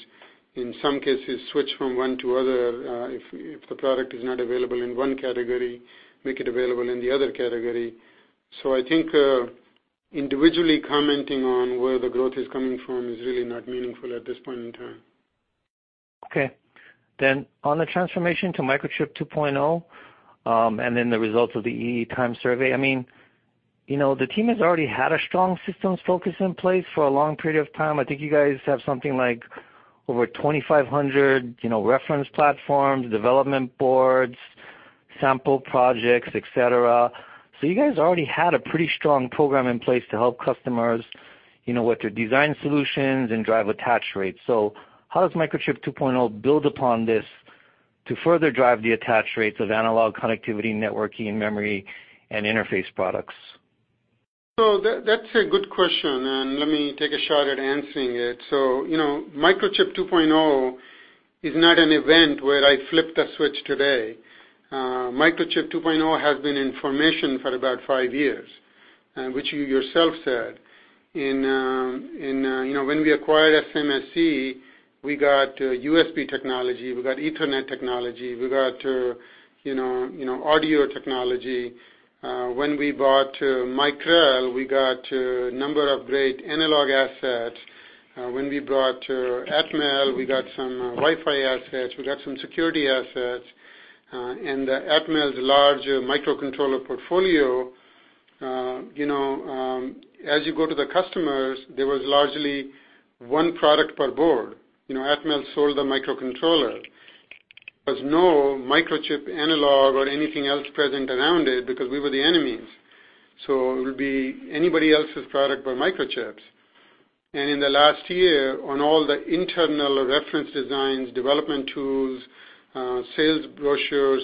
In some cases, switch from one to other, if the product is not available in one category, make it available in the other category. I think individually commenting on where the growth is coming from is really not meaningful at this point in time. On the transformation to Microchip 2.0, the results of the EE Times Survey, the team has already had a strong systems focus in place for a long period of time. I think you guys have something like over 2,500 reference platforms, development boards, sample projects, et cetera. You guys already had a pretty strong program in place to help customers with their design solutions and drive attach rates. How does Microchip 2.0 build upon this to further drive the attach rates of analog connectivity, networking, memory, and interface products? That's a good question, and let me take a shot at answering it. Microchip 2.0 is not an event where I flip the switch today. Microchip 2.0 has been in formation for about five years, which you yourself said. When we acquired SMSC, we got USB technology, we got Ethernet technology, we got audio technology. When we bought Micrel, we got a number of great analog assets. When we bought Atmel, we got some Wi-Fi assets, we got some security assets. Atmel's large microcontroller portfolio, as you go to the customers, there was largely one product per board. Atmel sold the microcontroller. There's no Microchip analog or anything else present around it because we were the enemies. It would be anybody else's product but Microchip's. In the last year, on all the internal reference designs, development tools, sales brochures,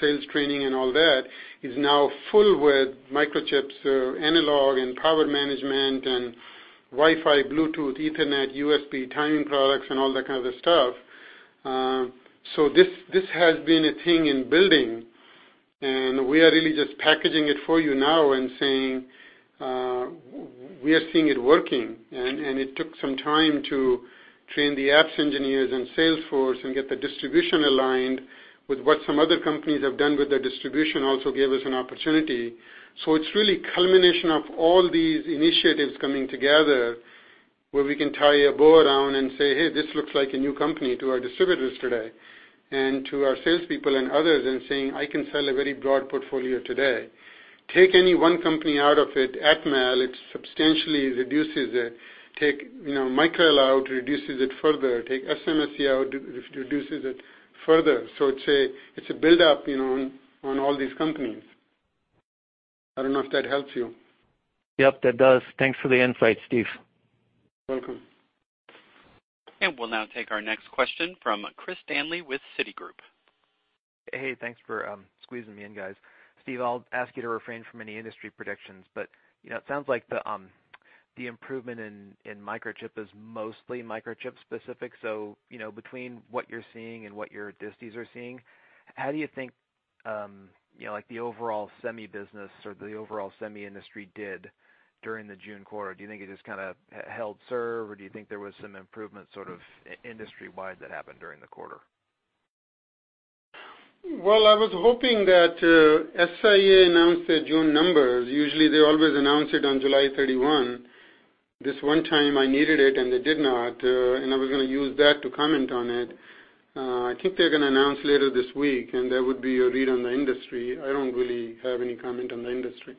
sales training and all that, is now full with Microchip's analog and power management and Wi-Fi, Bluetooth, Ethernet, USB, timing products, and all that kind of stuff. This has been a thing in building, and we are really just packaging it for you now and saying we are seeing it working. It took some time to train the apps engineers and sales force and get the distribution aligned with what some other companies have done with their distribution also gave us an opportunity. It's really culmination of all these initiatives coming together where we can tie a bow around and say, "Hey, this looks like a new company," to our distributors today and to our salespeople and others and saying, "I can sell a very broad portfolio today." Take any one company out of it, Atmel, it substantially reduces it. Take Micrel out, reduces it further. Take SMSC out, reduces it further. It's a buildup on all these companies. I don't know if that helps you. Yep, that does. Thanks for the insight, Steve. Welcome. We'll now take our next question from Christopher Danely with Citigroup. Hey, thanks for squeezing me in, guys. Steve, I'll ask you to refrain from any industry predictions, but it sounds like the improvement in Microchip is mostly Microchip specific. Between what you're seeing and what your distis are seeing, how do you think the overall semi business or the overall semi industry did during the June quarter? Do you think it just kind of held serve, or do you think there was some improvement sort of industry-wide that happened during the quarter? Well, I was hoping that SIA announced their June numbers. Usually, they always announce it on July 31. This one time I needed it, and they did not. I was going to use that to comment on it. I think they're going to announce later this week, and that would be a read on the industry. I don't really have any comment on the industry.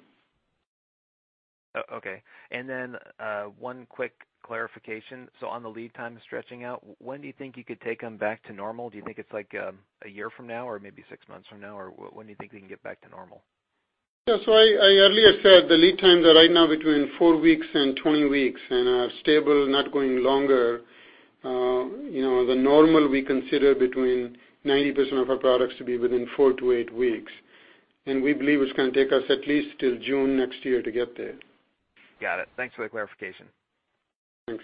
One quick clarification. On the lead time stretching out, when do you think you could take them back to normal? Do you think it's like a year from now or maybe six months from now? When do you think we can get back to normal? Yeah. I earlier said the lead times are right now between 4 weeks and 20 weeks and are stable, not going longer. The normal we consider between 90% of our products to be within 4 to 8 weeks. We believe it's going to take us at least till June next year to get there. Got it. Thanks for the clarification. Thanks.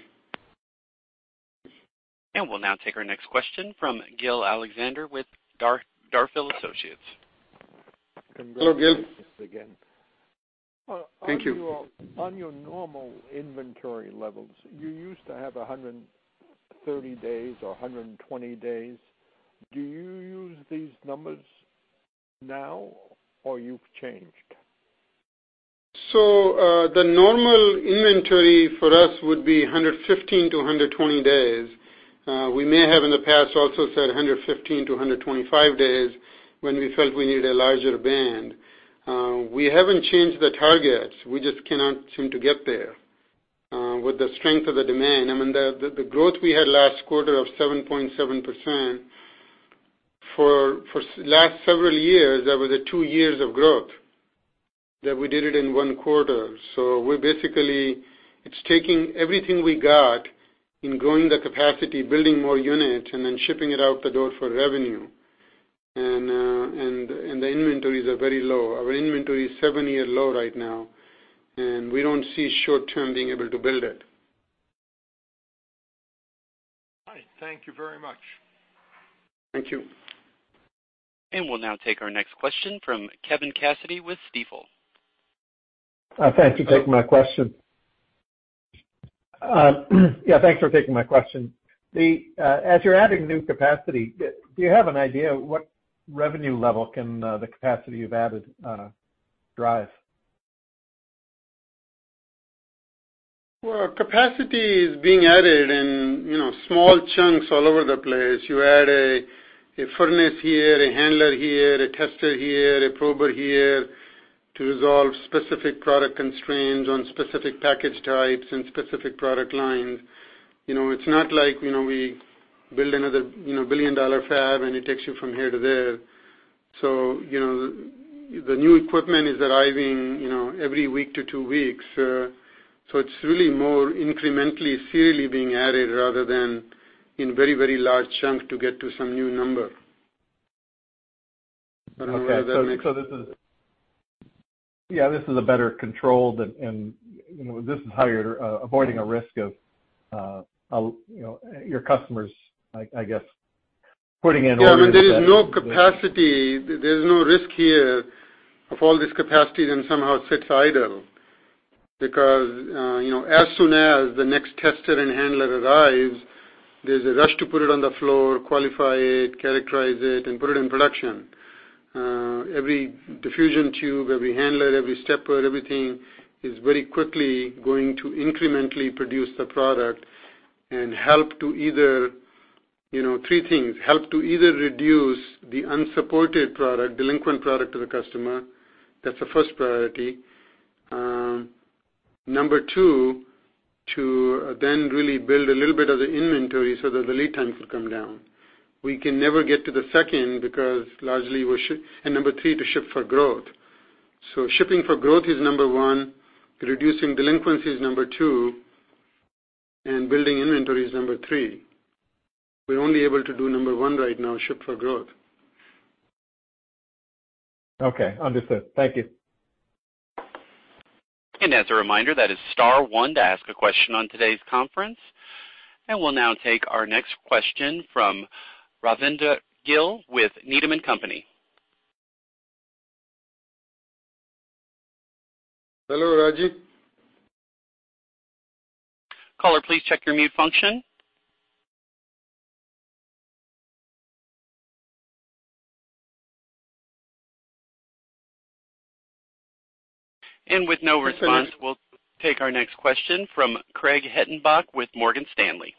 We'll now take our next question from Gil Luria with D.A. Davidson & Co. Hello, Gil. Congratulations again. Thank you. On your normal inventory levels, you used to have 130 days or 120 days. Do you use these numbers now or you've changed? The normal inventory for us would be 115-120 days. We may have in the past also said 115-125 days when we felt we need a larger band. We haven't changed the targets. We just cannot seem to get there, with the strength of the demand. I mean, the growth we had last quarter of 7.7%, for last several years, that was the two years of growth that we did it in one quarter. Basically, it's taking everything we got in growing the capacity, building more units, and then shipping it out the door for revenue. The inventories are very low. Our inventory is seven-year low right now, and we don't see short term being able to build it. All right. Thank you very much. Thank you. We'll now take our next question from Kevin Cassidy with Stifel. Thanks for taking my question. Thanks for taking my question. As you're adding new capacity, do you have an idea what revenue level can the capacity you've added drive? Well, capacity is being added in small chunks all over the place. You add a furnace here, a handler here, a tester here, a prober here to resolve specific product constraints on specific package types and specific product lines. It's not like we build another billion-dollar fab, it takes you from here to there. The new equipment is arriving every week to two weeks. It's really more incrementally serially being added rather than in very large chunk to get to some new number. I don't know whether that makes. Okay. This is a better control, this is how you're avoiding a risk of your customers, I guess, putting in orders that. I mean, there is no capacity, there's no risk here of all this capacity then somehow sits idle because, as soon as the next tester and handler arrives, there's a rush to put it on the floor, qualify it, characterize it, and put it in production. Every diffusion tube, every handler, every stepper, everything is very quickly going to incrementally produce the product and help to either, three things, help to either reduce the unsupported product, delinquent product to the customer. That's the first priority. Number 2, to then really build a little bit of the inventory so that the lead times will come down. We can never get to the second because largely we ship. Number 3, to ship for growth. Shipping for growth is number 1, reducing delinquency is number 2, and building inventory is number 3. We're only able to do number one right now, ship for growth. Okay. Understood. Thank you. As a reminder, that is star one to ask a question on today's conference, we'll now take our next question from Rajvindra Gill with Needham & Company. Hello, Rajvindra. Caller, please check your mute function. With no response. That's better. We'll take our next question from Craig Hettenbach with Morgan Stanley.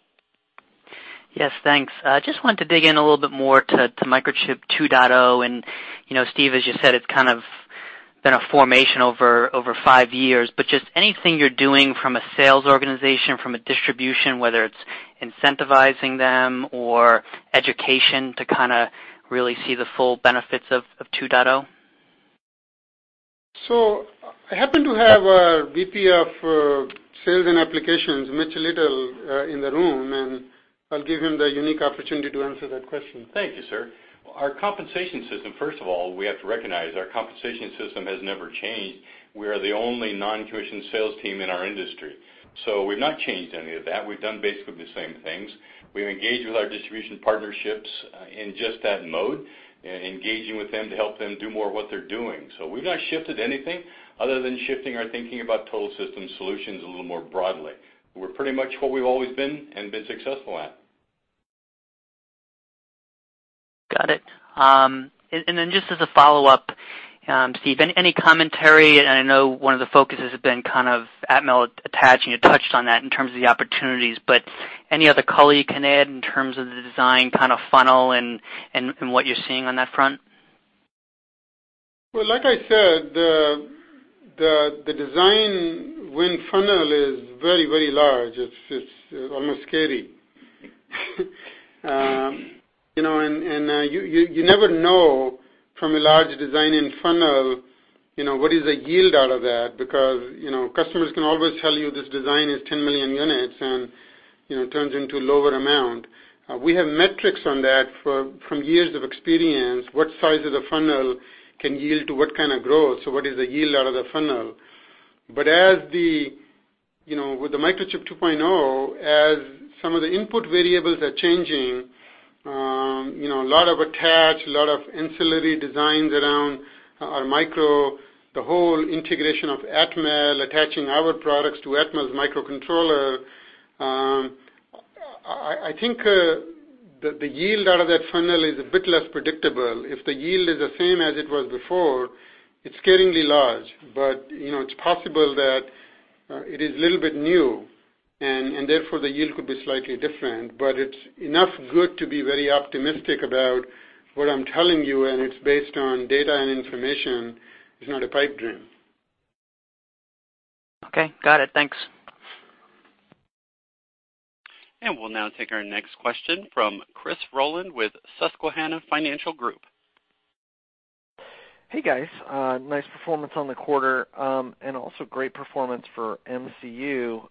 Yes, thanks. I just wanted to dig in a little bit more to Microchip 2.0. Steve, as you said, it's kind of been a formation over five years, but just anything you're doing from a sales organization, from a distribution, whether it's incentivizing them or education to kind of really see the full benefits of 2.0. I happen to have our VP of Sales and Applications, Mitch Little, in the room, and I'll give him the unique opportunity to answer that question. Thank you, sir. Our compensation system, first of all, we have to recognize our compensation system has never changed. We are the only non-tuition sales team in our industry, we've not changed any of that. We've done basically the same things. We've engaged with our distribution partnerships in just that mode, engaging with them to help them do more of what they're doing. We've not shifted anything other than shifting our thinking about total system solutions a little more broadly. We're pretty much what we've always been and been successful at. Just as a follow-up, Steve, any commentary, and I know one of the focuses has been kind of Atmel attaching, you touched on that in terms of the opportunities, but any other color you can add in terms of the design kind of funnel and what you're seeing on that front? Well, like I said, the design win funnel is very large. It's almost scary. You never know from a large design in funnel, what is a yield out of that, because customers can always tell you this design is 10 million units, and it turns into lower amount. We have metrics on that from years of experience, what size of the funnel can yield to what kind of growth, so what is the yield out of the funnel. With the Microchip 2.0, as some of the input variables are changing, a lot of attach, a lot of ancillary designs around our micro, the whole integration of Atmel, attaching our products to Atmel's microcontroller, I think the yield out of that funnel is a bit less predictable. If the yield is the same as it was before, it's scarily large. It's possible that it is a little bit new. Therefore, the yield could be slightly different, but it's enough good to be very optimistic about what I'm telling you. It's based on data and information. It's not a pipe dream. Okay, got it. Thanks. We'll now take our next question from Christopher Rolland with Susquehanna Financial Group. Hey, guys. Nice performance on the quarter. Also great performance for MCU.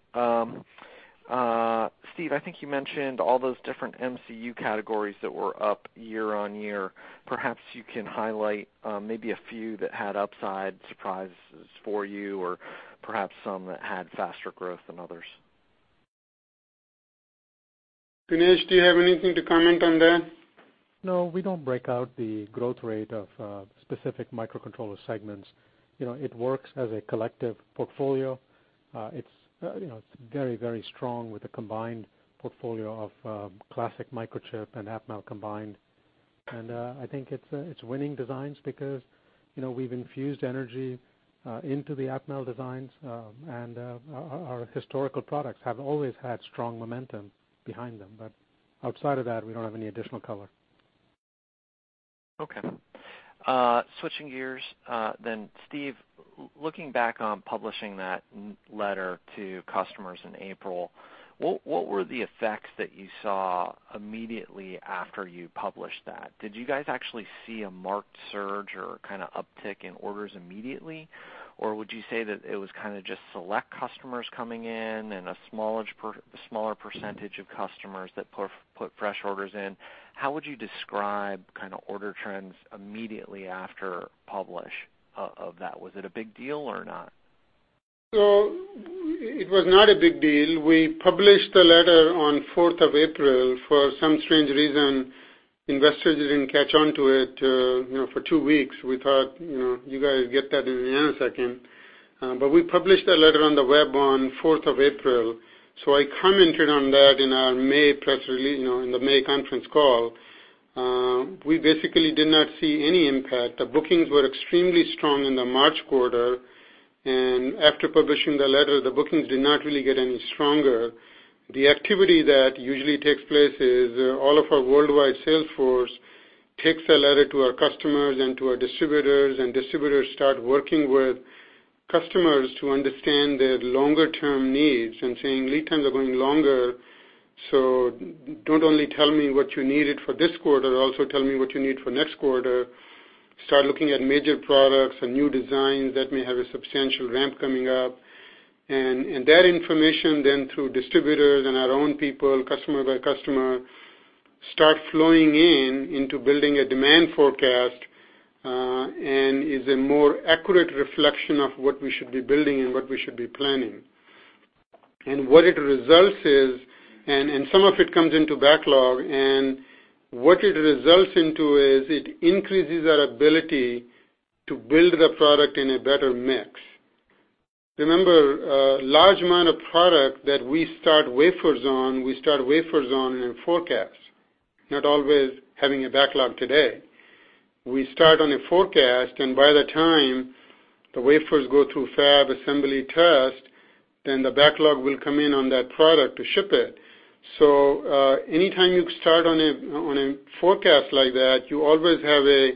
Steve, I think you mentioned all those different MCU categories that were up year-over-year. Perhaps you can highlight maybe a few that had upside surprises for you or perhaps some that had faster growth than others. Ganesh, do you have anything to comment on that? No, we don't break out the growth rate of specific microcontroller segments. It works as a collective portfolio. It's very strong with a combined portfolio of classic Microchip and Atmel combined. I think it's winning designs because we've infused energy into the Atmel designs, and our historical products have always had strong momentum behind them. Outside of that, we don't have any additional color. Okay. Switching gears, Steve, looking back on publishing that letter to customers in April, what were the effects that you saw immediately after you published that? Did you guys actually see a marked surge or kind of uptick in orders immediately, or would you say that it was kind of just select customers coming in and a smaller percentage of customers that put fresh orders in? How would you describe order trends immediately after publish of that? Was it a big deal or not? It was not a big deal. We published the letter on 4th of April. For some strange reason, investors didn't catch on to it for two weeks. We thought you guys get that in a nanosecond. We published that letter on the web on 4th of April. I commented on that in the May conference call. We basically did not see any impact. The bookings were extremely strong in the March quarter, and after publishing the letter, the bookings did not really get any stronger. The activity that usually takes place is all of our worldwide sales force takes the letter to our customers and to our distributors. Distributors start working with customers to understand their longer-term needs and saying, "Lead times are going longer, so don't only tell me what you needed for this quarter, also tell me what you need for next quarter." Start looking at major products and new designs that may have a substantial ramp coming up. That information then through distributors and our own people, customer by customer, start flowing into building a demand forecast, and is a more accurate reflection of what we should be building and what we should be planning. Some of it comes into backlog, and what it results into is it increases our ability to build the product in a better mix. Remember, a large amount of product that we start wafers on in a forecast, not always having a backlog today. We start on a forecast, and by the time the wafers go through fab assembly test, then the backlog will come in on that product to ship it. Anytime you start on a forecast like that, you always have a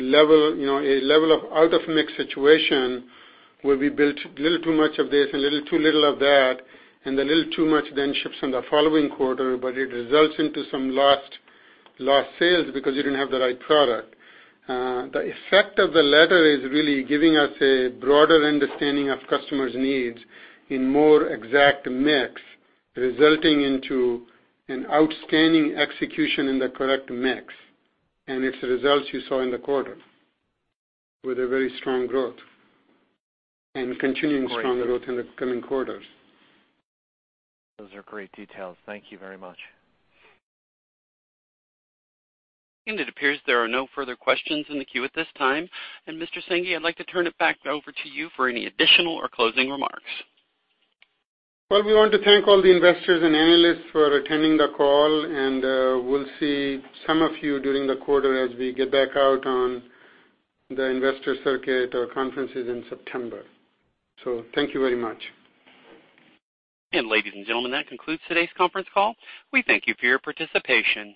level of out-of-mix situation where we built a little too much of this and a little too little of that, and the little too much then ships in the following quarter, but it results into some lost sales because you didn't have the right product. The effect of the letter is really giving us a broader understanding of customers' needs in more exact mix, resulting into an outstanding execution in the correct mix. It's the results you saw in the quarter, with a very strong growth and continuing strong growth in the coming quarters. Those are great details. Thank you very much. It appears there are no further questions in the queue at this time. Mr. Sanghi, I'd like to turn it back over to you for any additional or closing remarks. Well, we want to thank all the investors and analysts for attending the call, and we'll see some of you during the quarter as we get back out on the investor circuit or conferences in September. Thank you very much. Ladies and gentlemen, that concludes today's conference call. We thank you for your participation.